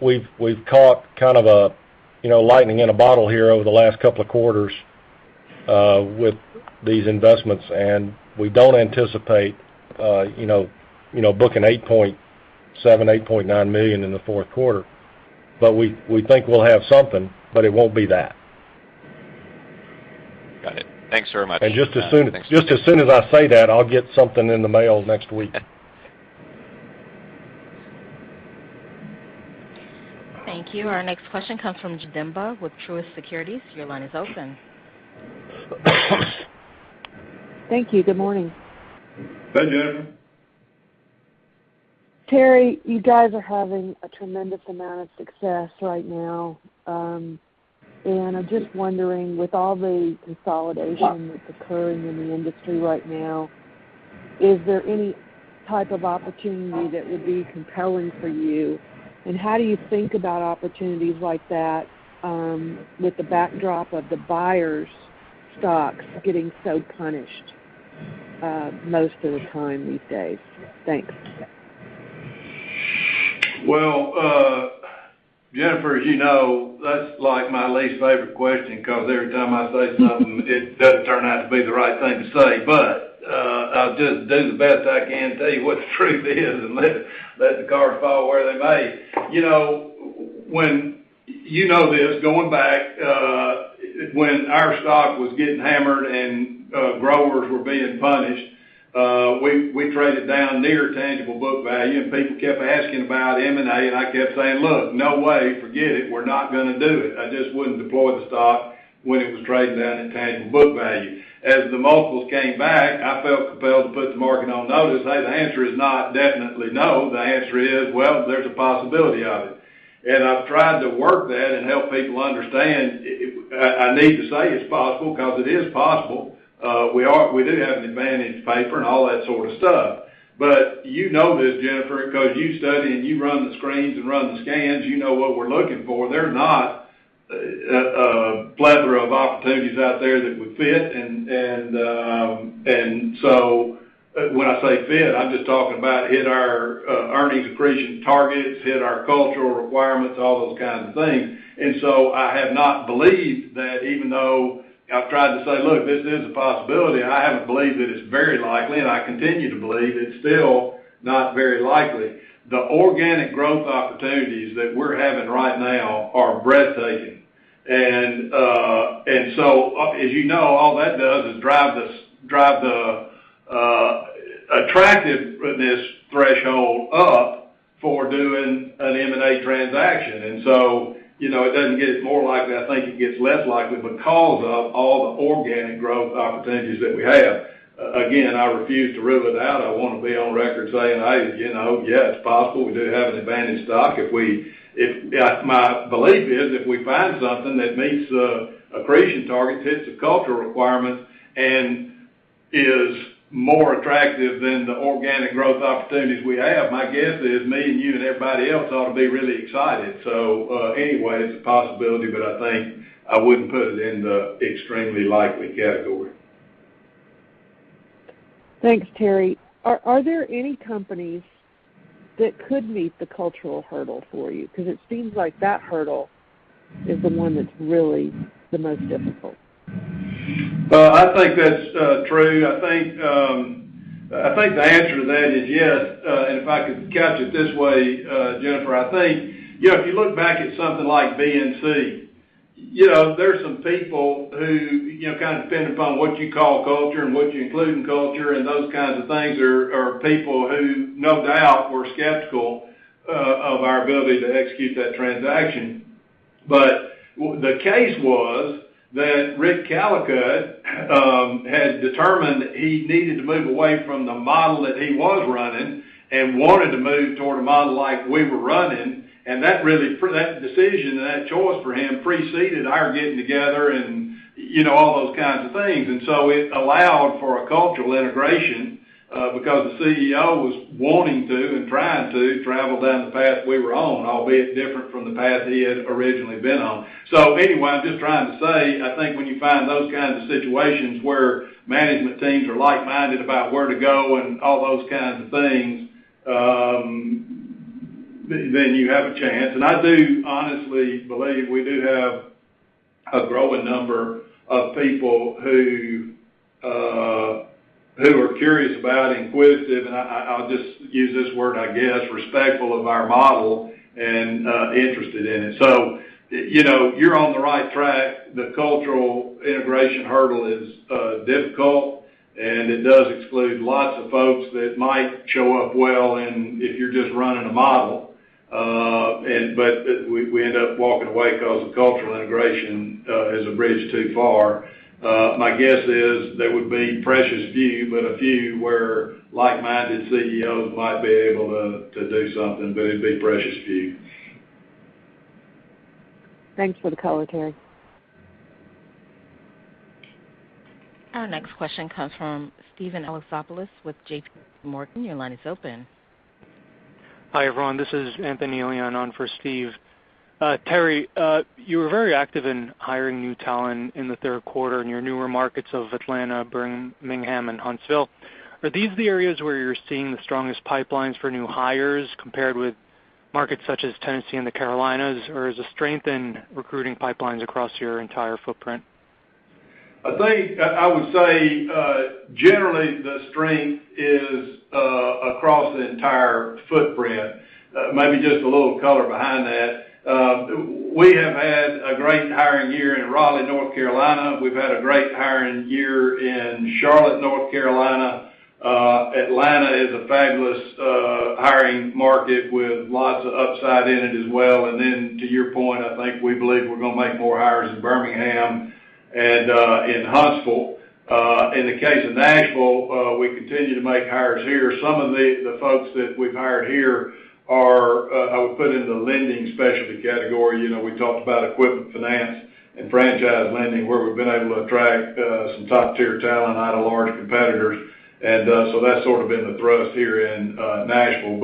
We've caught kind of a you know, lightning in a bottle here over the last couple of quarters with these investments, and we don't anticipate you know, booking $8.7 million, $8.9 million in the fourth quarter. We think we'll have something, but it won't be that. Got it. Thanks very much. Just as soon- Thanks. Just as soon as I say that, I'll get something in the mail next week. Thank you. Our next question comes from Jen Demba with Truist Securities. Your line is open. Thank you. Good morning. Hi, Jen. Terry, you guys are having a tremendous amount of success right now. I'm just wondering, with all the consolidation that's occurring in the industry right now, is there any type of opportunity that would be compelling for you? How do you think about opportunities like that, with the backdrop of the buyers' stocks getting so punished, most of the time these days? Thanks. Well, Jennifer, as you know, that's like my least favorite question 'cause every time I say something, it doesn't turn out to be the right thing to say. I'll just do the best I can and tell you what the truth is and let the cards fall where they may. You know this, going back, when our stock was getting hammered and growers were being punished, we traded down near tangible book value, and people kept asking about M&A, and I kept saying, "Look, no way. Forget it. We're not gonna do it." I just wouldn't deploy the stock when it was trading down at tangible book value. As the multiples came back, I felt compelled to put the market on notice. Hey, the answer is not definitely no. The answer is, well, there's a possibility of it. I've tried to work that and help people understand, I need to say it's possible 'cause it is possible. We do have an advantage, paperwork and all that sort of stuff. You know this, Jennifer, because you study and you run the screens and run the scans, you know what we're looking for. They're not a plethora of opportunities out there that would fit. When I say fit, I'm just talking about hit our earnings accretion targets, hit our cultural requirements, all those kinds of things. I have not believed that even though I've tried to say, "Look, this is a possibility," I haven't believed that it's very likely, and I continue to believe it's still not very likely. The organic growth opportunities that we're having right now are breathtaking. As you know, all that does is drive the attractiveness threshold up for doing an M&A transaction. You know, it doesn't get more likely. I think it gets less likely because of all the organic growth opportunities that we have. Again, I refuse to rule it out. I wanna be on record saying, "Hey, you know, yeah, it's possible we do have an advantage stock if we..." My belief is if we find something that meets the accretion target, hits the cultural requirement, and is more attractive than the organic growth opportunities we have, my guess is me and you and everybody else ought to be really excited. Anyway, it's a possibility, but I think I wouldn't put it in the extremely likely category. Thanks, Terry. Are there any companies that could meet the cultural hurdle for you? Because it seems like that hurdle is the one that's really the most difficult. Well, I think that's true. I think the answer to that is yes. If I could couch it this way, Jennifer, I think, you know, if you look back at something like BNC, you know, there's some people who, you know, kind of depending upon what you call culture and what you include in culture and those kinds of things are people who no doubt were skeptical of our ability to execute that transaction. The case was that Rick Callicutt had determined he needed to move away from the model that he was running and wanted to move toward a model like we were running, and that really for that decision and that choice for him preceded our getting together and, you know, all those kinds of things. It allowed for a cultural integration, because the CEO was wanting to and trying to travel down the path we were on, albeit different from the path he had originally been on. I'm just trying to say, I think when you find those kinds of situations where management teams are like-minded about where to go and all those kinds of things, then you have a chance. I do honestly believe we do have a growing number of people who are curious about, inquisitive, and I'll just use this word, I guess, respectful of our model and, interested in it. You know, you're on the right track. The cultural integration hurdle is difficult, and it does exclude lots of folks that might show up well and if you're just running a model. We end up walking away 'cause of cultural integration is a bridge too far. My guess is there would be precious few, but a few where like-minded CEOs might be able to do something, but it'd be precious few. Thanks for the color, Terry. Our next question comes from Steven Alexopoulos with JPMorgan. Your line is open. Hi, everyone. This is Anthony Leon on for Steve. Terry, you were very active in hiring new talent in the third quarter in your newer markets of Atlanta, Birmingham, and Huntsville. Are these the areas where you're seeing the strongest pipelines for new hires compared with markets such as Tennessee and the Carolinas, or is the strength in recruiting pipelines across your entire footprint? I think I would say generally the strength is across the entire footprint. Maybe just a little color behind that. We have had a great hiring year in Raleigh, North Carolina. We've had a great hiring year in Charlotte, North Carolina. Atlanta is a fabulous hiring market with lots of upside in it as well. Then to your point, I think we believe we're gonna make more hires in Birmingham and in Huntsville. In the case of Nashville, we continue to make hires here. Some of the folks that we've hired here are I would put in the lending specialty category. You know, we talked about equipment finance and franchise lending, where we've been able to attract some top-tier talent out of large competitors. That's sort of been the thrust here in Nashville.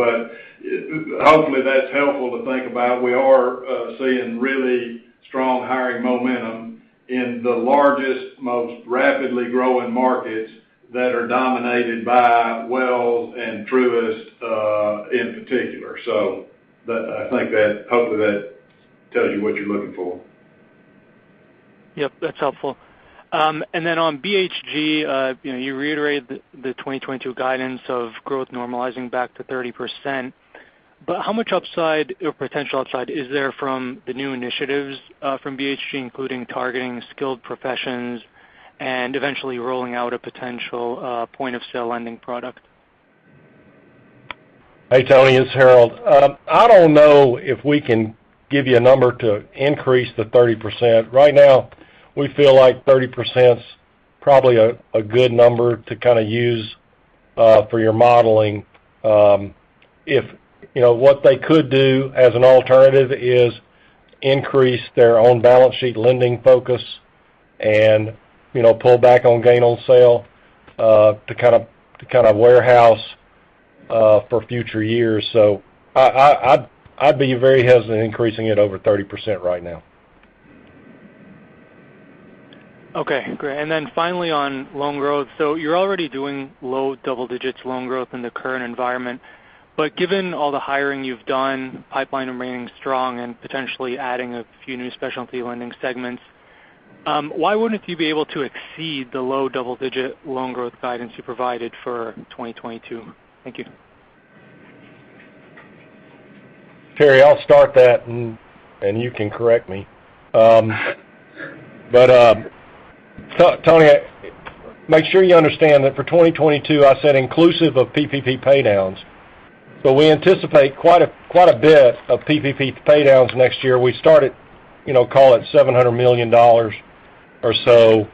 Hopefully, that's helpful to think about. We are seeing really strong hiring momentum in the largest, most rapidly growing markets that are dominated by Wells and Truist in particular. I think that, hopefully that tells you what you're looking for. Yep, that's helpful. On BHG, you reiterated the 2022 guidance of growth normalizing back to 30%. How much upside or potential upside is there from the new initiatives from BHG, including targeting skilled professions and eventually rolling out a potential point-of-sale lending product? Hey, Tony, it's Harold. I don't know if we can give you a number to increase the 30%. Right now, we feel like 30%'s probably a good number to kinda use for your modeling. If you know what they could do as an alternative is increase their own balance sheet lending focus and you know pull back on gain on sale to kind of warehouse for future years. I'd be very hesitant increasing it over 30% right now. Okay, great. Finally, on loan growth. You're already doing low double-digit loan growth in the current environment. Given all the hiring you've done, pipeline remaining strong and potentially adding a few new specialty lending segments, why wouldn't you be able to exceed the low double-digit loan growth guidance you provided for 2022? Thank you. Terry, I'll start that and you can correct me. Tony, make sure you understand that for 2022, I said inclusive of PPP paydowns, but we anticipate quite a bit of PPP paydowns next year. We started, you know, call it $700 million or so.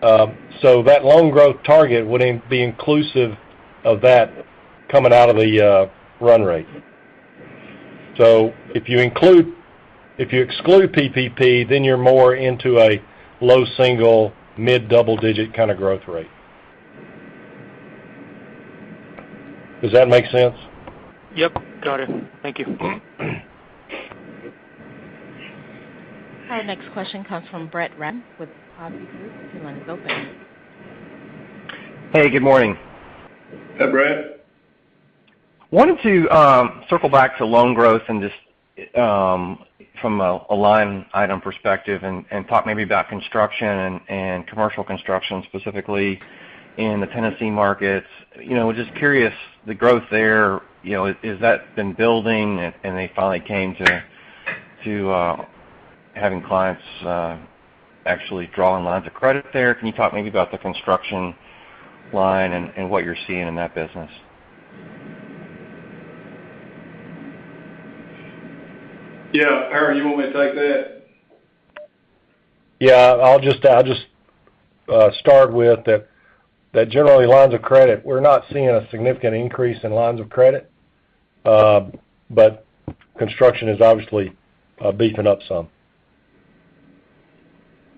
That loan growth target would be inclusive of that coming out of the run rate. If you exclude PPP, then you're more into a low single-digit, mid double-digit kinda growth rate. Does that make sense? Yep, got it. Thank you. Our next question comes from Brett Rabatin with Hovde Group. Your line is open. Hey, good morning. Hey, Brett. Wanted to circle back to loan growth and just from a line item perspective and talk maybe about construction and commercial construction, specifically in the Tennessee markets. You know, I was just curious, the growth there, you know, is that been building and they finally came to having clients actually drawing lines of credit there? Can you talk maybe about the construction line and what you're seeing in that business? Yeah. Harold, you want me to take that? Yeah. I'll just start with that, generally lines of credit, we're not seeing a significant increase in lines of credit, but construction is obviously beefing up some.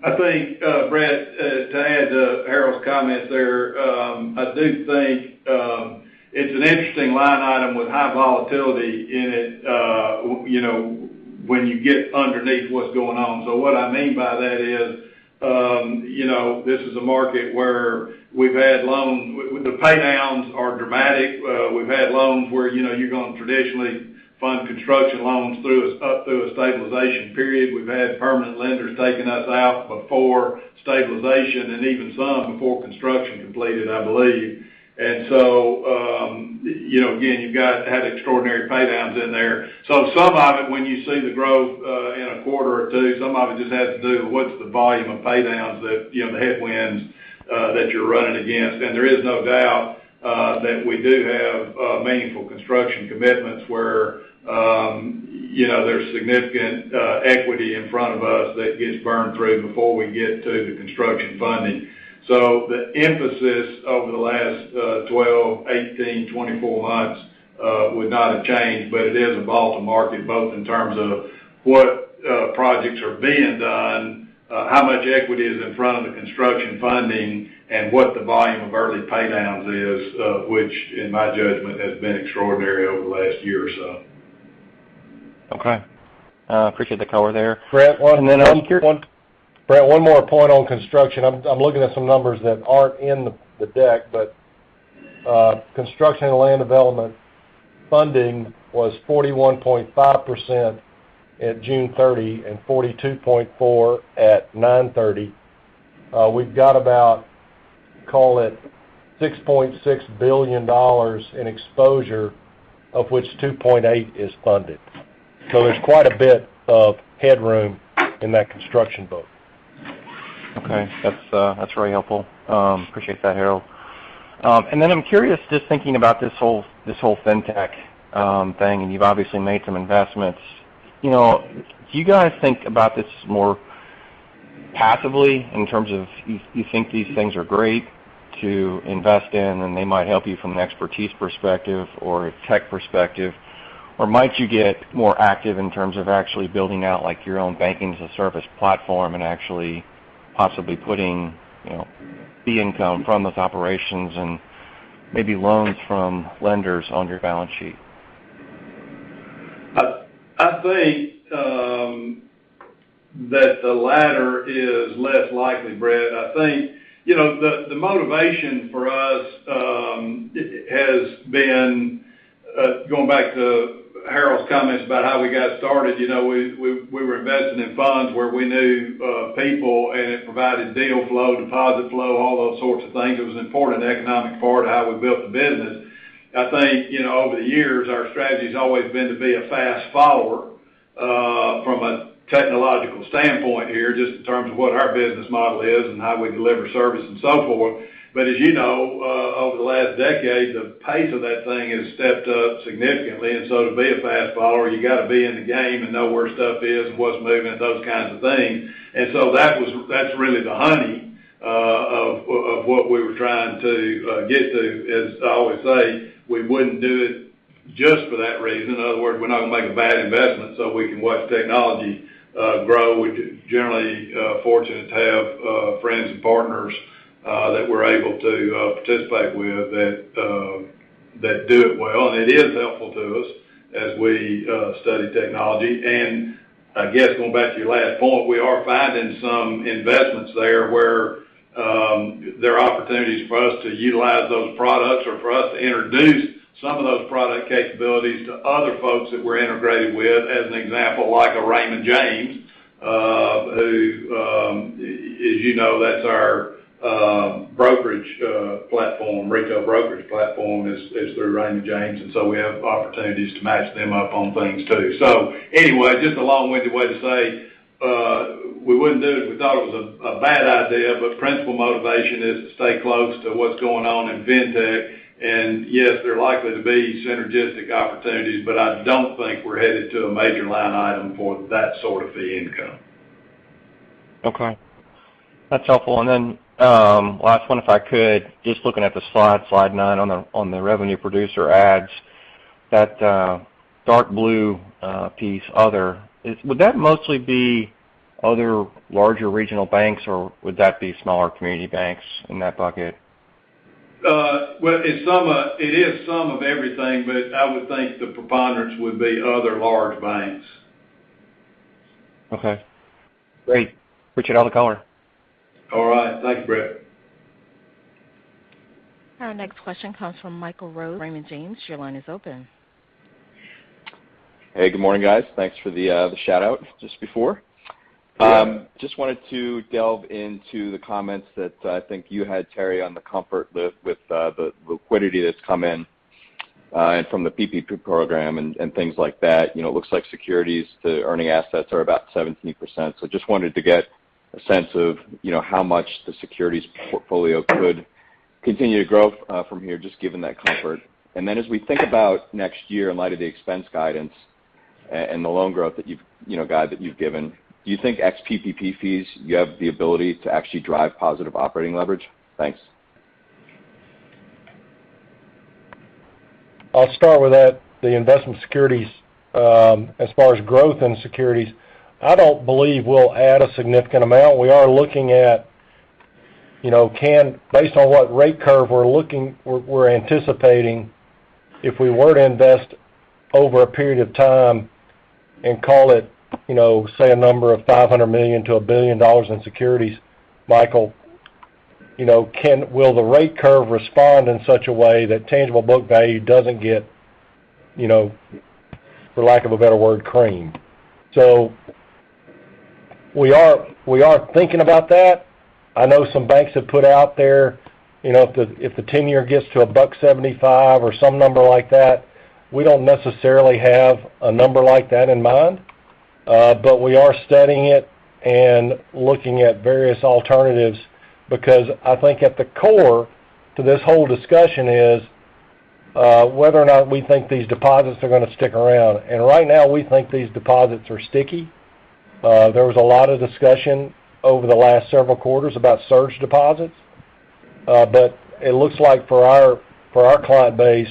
I think, Brett, to add to Harold's comment there, I do think it's an interesting line item with high volatility in it, you know, when you get underneath what's going on. What I mean by that is, you know, this is a market where we've had loans with the paydowns are dramatic. We've had loans where, you know, you're gonna traditionally fund construction loans through a, up through a stabilization period. We've had permanent lenders taking us out before stabilization and even some before construction completed, I believe. You know, again, you've got to have extraordinary paydowns in there. Some of it, when you see the growth in a quarter or two, some of it just has to do with what is the volume of paydowns that, you know, the headwinds that you're running against. There is no doubt that we do have meaningful construction commitments where, you know, there's significant equity in front of us that gets burned through before we get to the construction funding. The emphasis over the last 12, 18, 24 months would not have changed, but it is a barometer of the market both in terms of what projects are being done, how much equity is in front of the construction funding and what the volume of early paydowns is, which in my judgment, has been extraordinary over the last year or so. Okay. Appreciate the color there. Brett, one- And then I'm cur- Brett, one more point on construction. I'm looking at some numbers that aren't in the deck, but construction and land development funding was 41.5% at June 30 and 42.4% at September 30. We've got about, call it $6.6 billion in exposure, of which $2.8 billion is funded. There's quite a bit of headroom in that construction book. Okay. That's very helpful. Appreciate that, Harold. I'm curious, just thinking about this whole fintech thing, and you've obviously made some investments. You know, do you guys think about this more passively in terms of you think these things are great to invest in, and they might help you from an expertise perspective or a tech perspective? Or might you get more active in terms of actually building out, like, your own banking as a service platform and actually possibly putting, you know, fee income from those operations and maybe loans from lenders on your balance sheet? I think that the latter is less likely, Brett. I think you know the motivation for us has been going back to Harold's comments about how we got started. You know we were investing in funds where we knew people and it provided deal flow, deposit flow, all those sorts of things. It was an important economic part of how we built the business. I think you know over the years our strategy has always been to be a fast follower from a technological standpoint here just in terms of what our business model is and how we deliver service and so forth. As you know over the last decade the pace of that thing has stepped up significantly. To be a fast follower, you got to be in the game and know where stuff is and what's moving and those kinds of things. That's really the honey of what we were trying to get to. As I always say, we wouldn't do it just for that reason. In other words, we're not going to make a bad investment so we can watch technology grow. We're generally fortunate to have friends and partners that we're able to participate with that do it well. It is helpful to us as we study technology. I guess going back to your last point, we are finding some investments there where there are opportunities for us to utilize those products or for us to introduce some of those product capabilities to other folks that we're integrated with. As an example, like Raymond James, who as you know, that's our brokerage platform, retail brokerage platform is through Raymond James, and so we have opportunities to match them up on things too. Anyway, just a long-winded way to say, we wouldn't do it if we thought it was a bad idea, but principal motivation is to stay close to what's going on in fintech. Yes, there are likely to be synergistic opportunities, but I don't think we're headed to a major line item for that sort of fee income. Okay. That's helpful. Last one, if I could, just looking at the slide nine on the revenue producer adds that dark blue piece other. Would that mostly be other larger regional banks, or would that be smaller community banks in that bucket? Well, it is some of everything, but I would think the preponderance would be other large banks. Okay, great. Appreciate all the color. All right. Thank you, Brett. Our next question comes from Michael Rose, Raymond James. Your line is open. Hey, good morning, guys. Thanks for the shout-out just before. Yeah. Just wanted to delve into the comments that I think you had, Terry, on the comfort with the liquidity that's come in and from the PPP program and things like that. You know, it looks like securities to earning assets are about 17%. Just wanted to get a sense of, you know, how much the securities portfolio could continue to grow from here, just given that comfort. As we think about next year in light of the expense guidance and the loan growth that you've guided, do you think ex PPP fees you have the ability to actually drive positive operating leverage? Thanks. I'll start with that. The investment securities, as far as growth in securities, I don't believe we'll add a significant amount. We are looking at, you know, based on what rate curve we're looking, we're anticipating, if we were to invest over a period of time and call it, you know, say, a number of $500 million-$1 billion in securities, Michael, you know, will the rate curve respond in such a way that tangible book value doesn't get, you know, for lack of a better word, creamed? We are thinking about that. I know some banks have put out there, you know, if the 10-year gets to 1.75% or some number like that, we don't necessarily have a number like that in mind. We are studying it and looking at various alternatives because I think at the core to this whole discussion is whether or not we think these deposits are gonna stick around. Right now, we think these deposits are sticky. There was a lot of discussion over the last several quarters about surge deposits. It looks like for our client base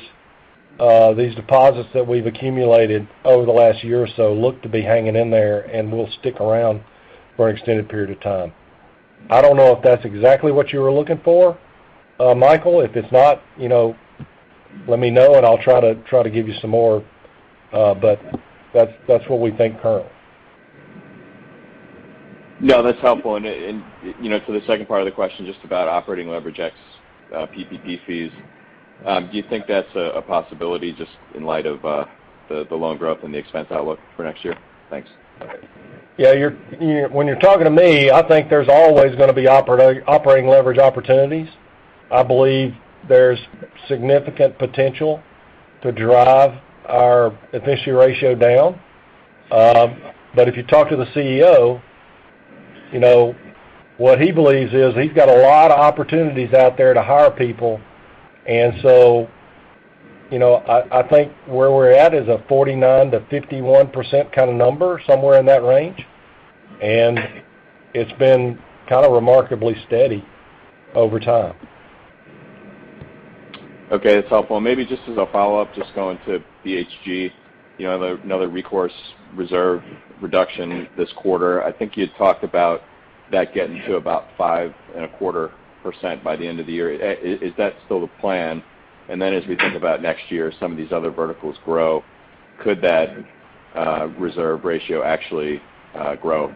these deposits that we've accumulated over the last year or so look to be hanging in there and will stick around for an extended period of time. I don't know if that's exactly what you were looking for, Michael. If it's not, you know, let me know and I'll try to give you some more, but that's what we think currently. No, that's helpful. You know, to the second part of the question, just about operating leverage ex PPP fees, do you think that's a possibility just in light of the loan growth and the expense outlook for next year? Thanks. When you're talking to me, I think there's always gonna be operating leverage opportunities. I believe there's significant potential to drive our efficiency ratio down. If you talk to the CEO, you know, what he believes is he's got a lot of opportunities out there to hire people. You know, I think where we're at is a 49%-51% kinda number, somewhere in that range. It's been kind of remarkably steady over time. Okay. That's helpful. Maybe just as a follow-up, just going to BHG. You know, another recourse reserve reduction this quarter. I think you'd talked about that getting to about 5.25% by the end of the year. Is that still the plan? As we think about next year, some of these other verticals grow, could that reserve ratio actually grow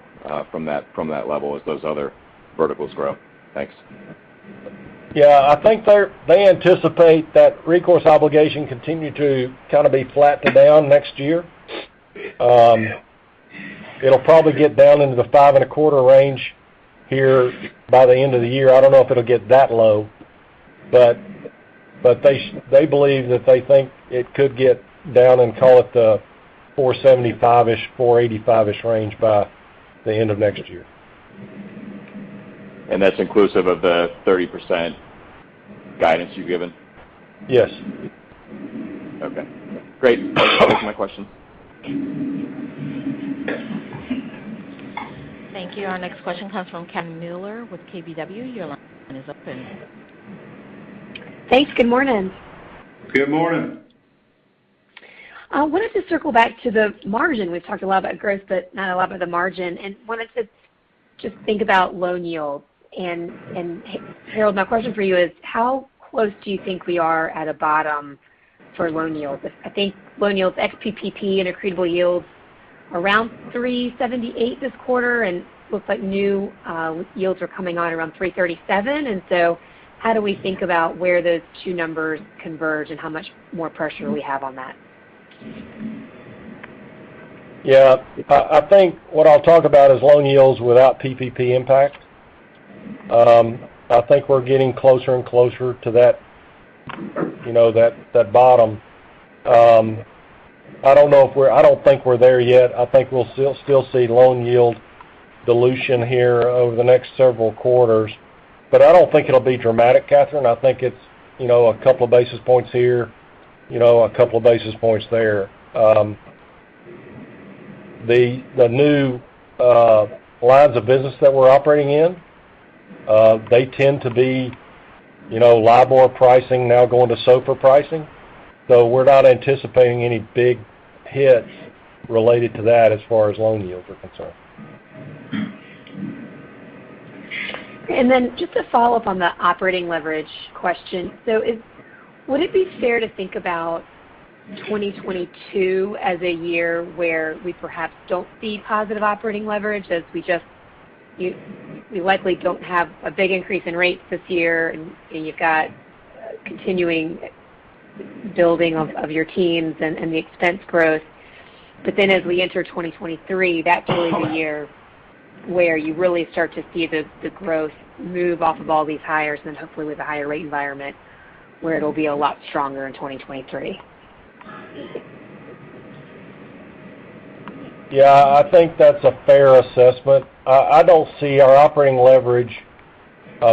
from that level as those other verticals grow? Thanks. Yeah. I think they anticipate that recourse obligation continue to kinda be flat to down next year. It'll probably get down into the 5.25 range here by the end of the year. I don't know if it'll get that low. But they believe that they think it could get down and call it the 4.75-ish-4.85-ish range by the end of next year. That's inclusive of the 30% guidance you've given? Yes. Okay. Great. Those are my questions. Thank you. Our next question comes from Catherine Mealor with KBW. Your line is open. Thanks. Good morning. Good morning. I wanted to circle back to the margin. We've talked a lot about growth, but not a lot about the margin. Wanted to just think about loan yields. Harold, my question for you is how close do you think we are at a bottom for loan yields? I think loan yields ex-PPP and accretable yields around 378 this quarter, and looks like new yields are coming on around 337. How do we think about where those two numbers converge and how much more pressure we have on that? Yeah. I think what I'll talk about is loan yields without PPP impact. I think we're getting closer and closer to that bottom. I don't think we're there yet. I think we'll still see loan yield dilution here over the next several quarters. I don't think it'll be dramatic, Catherine. I think it's, you know, a couple of basis points here, you know, a couple of basis points there. The new lines of business that we're operating in, they tend to be, you know, LIBOR pricing now going to SOFR pricing. We're not anticipating any big hits related to that as far as loan yields are concerned. Just to follow up on the operating leverage question. Would it be fair to think about 2022 as a year where we perhaps don't see positive operating leverage as we just, you likely don't have a big increase in rates this year, and you've got continuing building of your teams and the expense growth. As we enter 2023, that is the year where you really start to see the growth move off of all these hires and hopefully with a higher rate environment where it'll be a lot stronger in 2023. Yeah. I think that's a fair assessment. I don't see our operating leverage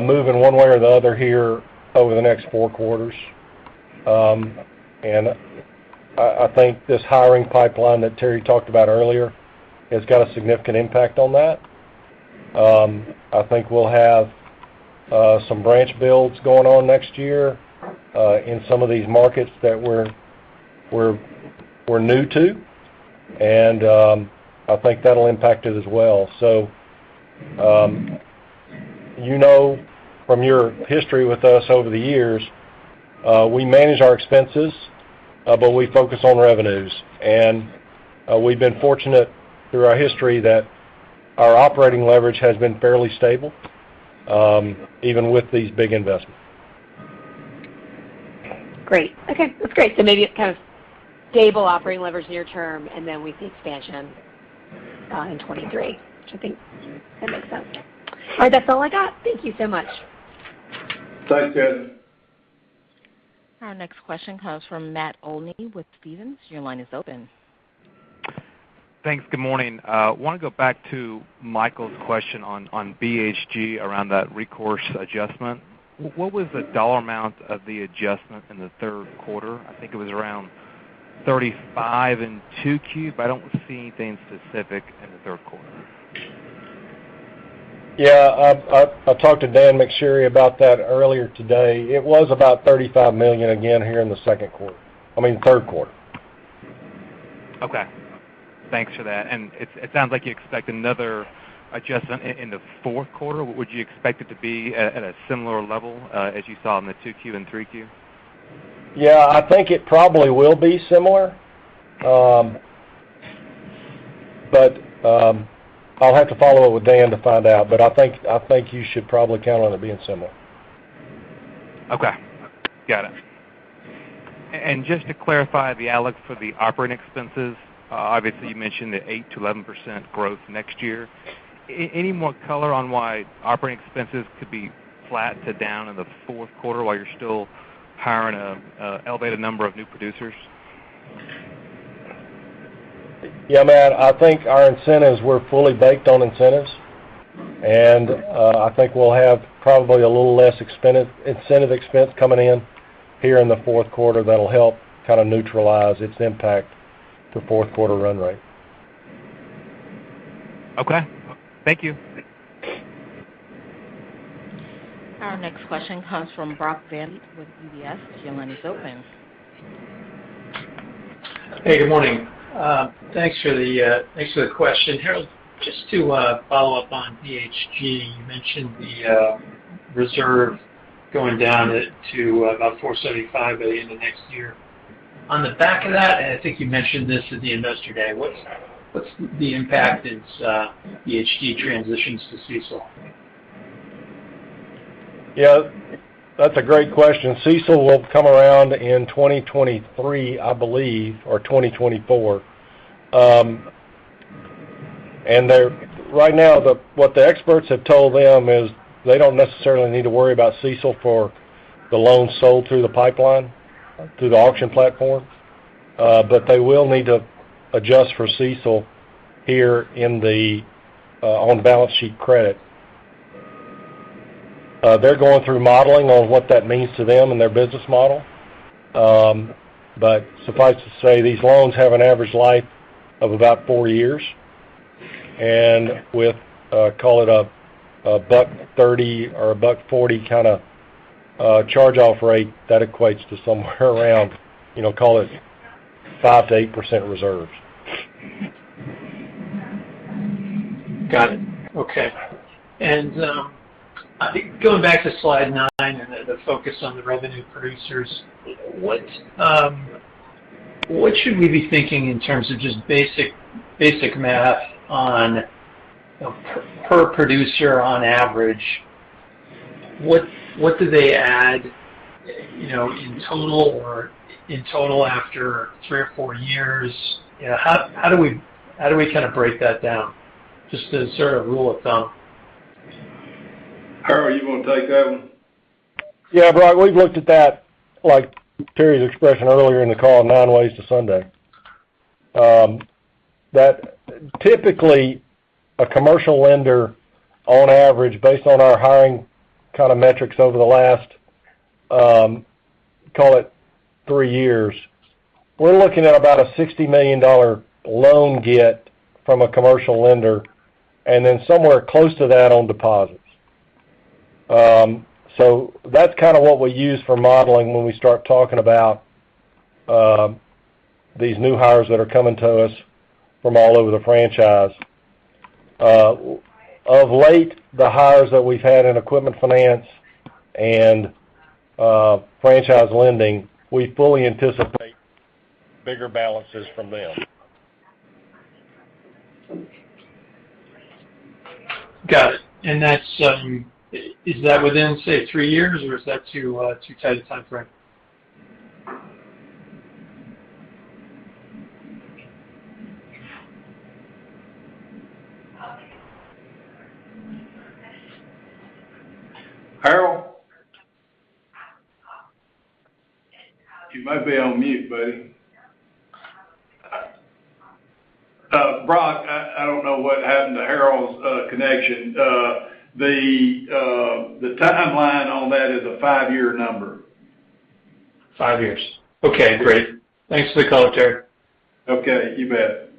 moving one way or the other here over the next 4 quarters. I think this hiring pipeline that Terry talked about earlier has got a significant impact on that. I think we'll have some branch builds going on next year in some of these markets that we're new to, and I think that'll impact it as well. You know from your history with us over the years, we manage our expenses, but we focus on revenues. We've been fortunate through our history that our operating leverage has been fairly stable even with these big investments. Great. Okay, that's great. Maybe it's kind of stable operating leverage near term, and then we see expansion in 2023, which I think that makes sense. All right, that's all I got. Thank you so much. Thanks, Jen. Our next question comes from Matt Olney with Stephens. Your line is open. Thanks. Good morning. Want to go back to Michael's question on BHG around that recourse adjustment. What was the dollar amount of the adjustment in the third quarter? I think it was around $35 in 2Q, but I don't see anything specific in the third quarter. Yeah. I talked to Dan McSherry about that earlier today. It was about $35 million again here in the second quarter. I mean, third quarter. Okay. Thanks for that. It sounds like you expect another adjustment in the fourth quarter. Would you expect it to be at a similar level as you saw in the 2Q and 3Q? Yeah, I think it probably will be similar. I'll have to follow up with Dan to find out. I think you should probably count on it being similar. Okay. Got it. Just to clarify the outlook for the operating expenses, obviously you mentioned the 8%-11% growth next year. Any more color on why operating expenses could be flat to down in the fourth quarter while you're still hiring, elevated number of new producers? Yeah, Matt, I think our incentives, we're fully baked on incentives. I think we'll have probably a little less incentive expense coming in here in the fourth quarter that'll help kind of neutralize its impact to fourth quarter run rate. Okay. Thank you. Our next question comes from Brody Preston with UBS. Your line is open. Hey, good morning. Thanks for the question. Harold, just to follow up on BHG, you mentioned the reserve going down to about $475 by the end of next year. On the back of that, I think you mentioned this at the Investor Day, what's the impact as BHG transitions to CECL? Yeah, that's a great question. CECL will come around in 2023, I believe, or 2024. Right now, what the experts have told them is they don't necessarily need to worry about CECL for the loans sold through the pipeline, through the auction platform. They will need to adjust for CECL here in the on balance sheet credit. They're going through modeling on what that means to them and their business model. Suffice to say, these loans have an average life of about 4 years. With call it a $1.30 or a $1.40 kind of charge-off rate, that equates to somewhere around, you know, call it 5%-8% reserves. Got it. Okay. Going back to slide nine and the focus on the revenue producers, what should we be thinking in terms of just basic math on, you know, per producer on average, what do they add, you know, in total after three or four years? You know, how do we kind of break that down just as sort of rule of thumb? Harold, you want to take that one? Yeah, Brody, we've looked at that, like Terry's expression earlier in the call, nine ways to Sunday. That, typically, a commercial lender on average, based on our hiring kind of metrics over the last, call it three years, we're looking at about a $60 million loan book from a commercial lender and then somewhere close to that on deposits. So that's kind of what we use for modeling when we start talking about these new hires that are coming to us from all over the franchise. Of late, the hires that we've had in equipment finance and franchise lending, we fully anticipate bigger balances from them. Got it. That's, is that within, say, three years, or is that too tight a timeframe? Harold? You might be on mute, buddy. Brody, I don't know what happened to Harold's connection. The timeline on that is a five-year number. Five years. Okay, great. Thanks for the color, Terry. Okay, you bet.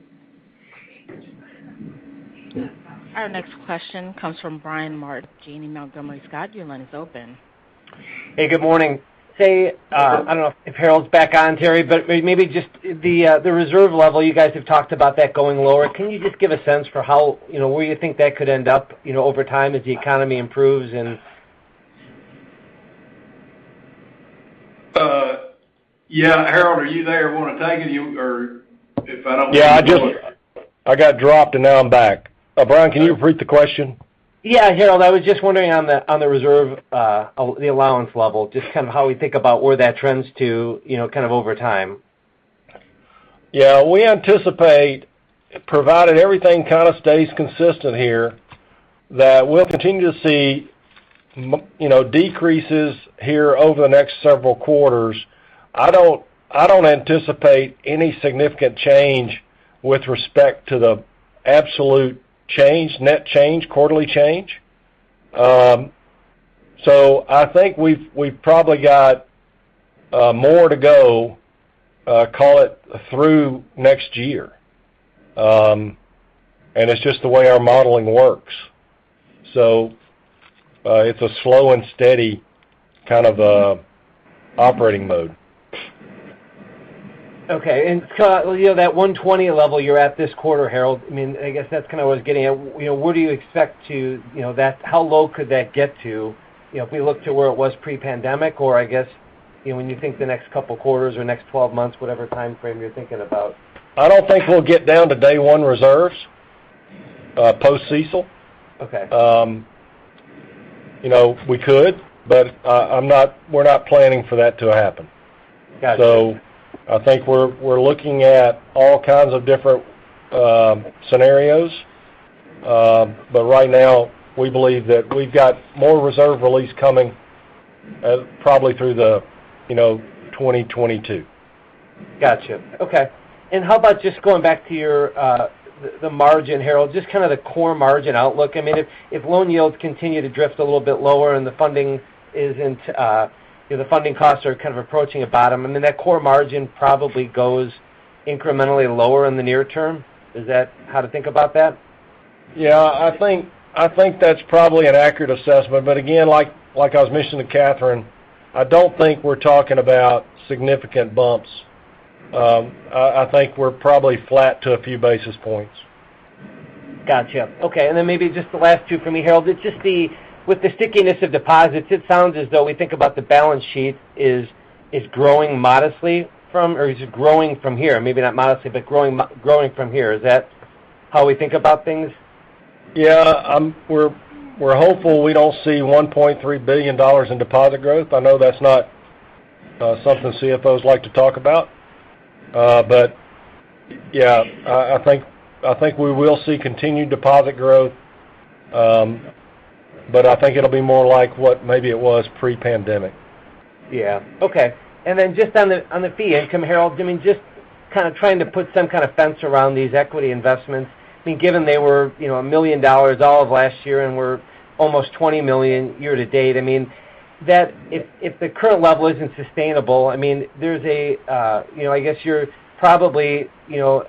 Our next question comes from Brian Martin, Janney Montgomery Scott. Your line is open. Hey, good morning. Say, I don't know if Harold's back on, Terry, but maybe just the reserve level, you guys have talked about that going lower. Can you just give a sense for how, you know, where you think that could end up, you know, over time as the economy improves and... Yeah, Harold, are you there and want to take it? I got dropped and now I'm back. Brian, can you repeat the question? Yeah, Harold, I was just wondering on the reserve, the allowance level, just kind of how we think about where that trends to, you know, kind of over time. Yeah. We anticipate, provided everything kind of stays consistent here, that we'll continue to see you know, decreases here over the next several quarters. I don't anticipate any significant change with respect to the absolute change, net change, quarterly change. I think we've probably got more to go, call it, through next year. It's just the way our modeling works. It's a slow and steady kind of operating mode. Okay. You know, that 120 level you're at this quarter, Harold, I mean, I guess that's kind of what it's getting at. You know, what do you expect to, you know, how low could that get to, you know, if we look to where it was pre-pandemic or I guess, you know, when you think the next couple quarters or next 12 months, whatever timeframe you're thinking about? I don't think we'll get down to day one reserves, post CECL. Okay. You know, we could, but, I'm not, we're not planning for that to happen. Got it. I think we're looking at all kinds of different scenarios. Right now, we believe that we've got more reserve release coming, probably through, you know, 2022. Gotcha. Okay. How about just going back to your the margin, Harold, just kind of the core margin outlook. I mean, if loan yields continue to drift a little bit lower and the funding isn't you know, the funding costs are kind of approaching a bottom, I mean, that core margin probably goes incrementally lower in the near term. Is that how to think about that? Yeah. I think that's probably an accurate assessment. Again, like I was mentioning to Catherine, I don't think we're talking about significant bumps. I think we're probably flat to a few basis points. Gotcha. Okay. Maybe just the last two for me, Harold. It's just with the stickiness of deposits. It sounds as though we think about the balance sheet is growing modestly from here or is it growing from here. Maybe not modestly, but growing from here. Is that how we think about things? Yeah. We're hopeful we don't see $1.3 billion in deposit growth. I know that's not something CFOs like to talk about. Yeah, I think we will see continued deposit growth. I think it'll be more like what maybe it was pre-pandemic. Yeah. Okay. Then just on the fee income, Harold, I mean, just kinda trying to put some kind of fence around these equity investments. I mean, given they were, you know, $1 million all of last year and we're almost $20 million year to date, I mean, that if the current level isn't sustainable, I mean, there's a, you know, I guess you're probably, you know,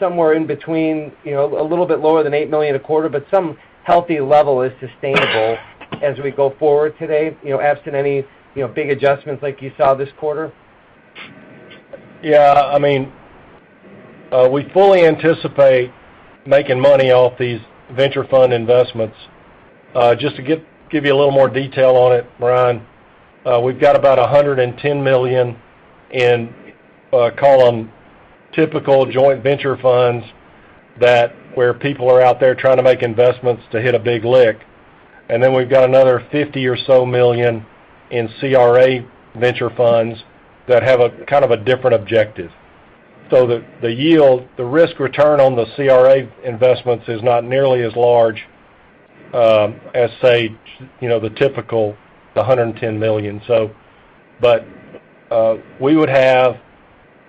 somewhere in between, you know, a little bit lower than $8 million a quarter, but some healthy level is sustainable as we go forward today, you know, absent any, you know, big adjustments like you saw this quarter. Yeah. I mean, we fully anticipate making money off these venture fund investments. Just to give you a little more detail on it, Brian, we've got about $110 million in, call them typical joint venture funds that where people are out there trying to make investments to hit a big lick. We've got another $50 million or so in CRA venture funds that have a kind of a different objective. The yield, the risk return on the CRA investments is not nearly as large, as, say, you know, the typical $110 million. We would have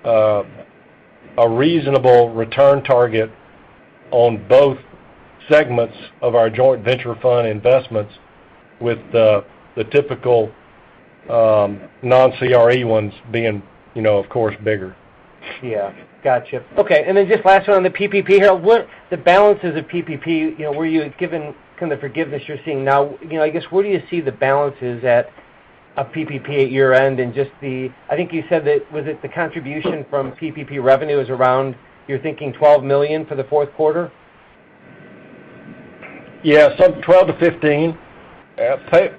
a reasonable return target on both segments of our joint venture fund investments with the typical non-CRA ones being, you know, of course, bigger. Yeah. Gotcha. Okay. Just last one on the PPP, Harold. What are the balances of PPP, you know, with the forgiveness you're seeing now. You know, I guess, where do you see the balance is at of PPP at year-end, and I think you said that. Was it the contribution from PPP revenue is around $12 million you're thinking for the fourth quarter? Yeah. 12-15.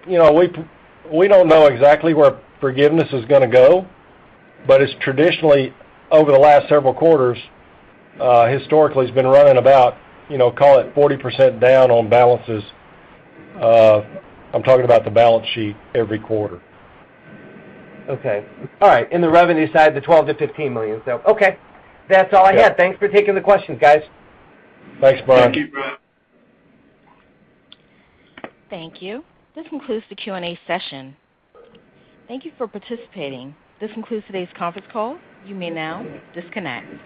You know, we don't know exactly where forgiveness is gonna go, but it's traditionally over the last several quarters, historically has been running about, you know, call it 40% down on balances. I'm talking about the balance sheet every quarter. Okay. All right. In the revenue side, the $12 million-$15 million. Okay. That's all I had. Thanks for taking the questions, guys. Thanks, Brian. Thank you, Brian. Thank you. This concludes the Q&A session. Thank you for participating. This concludes today's conference call. You may now disconnect.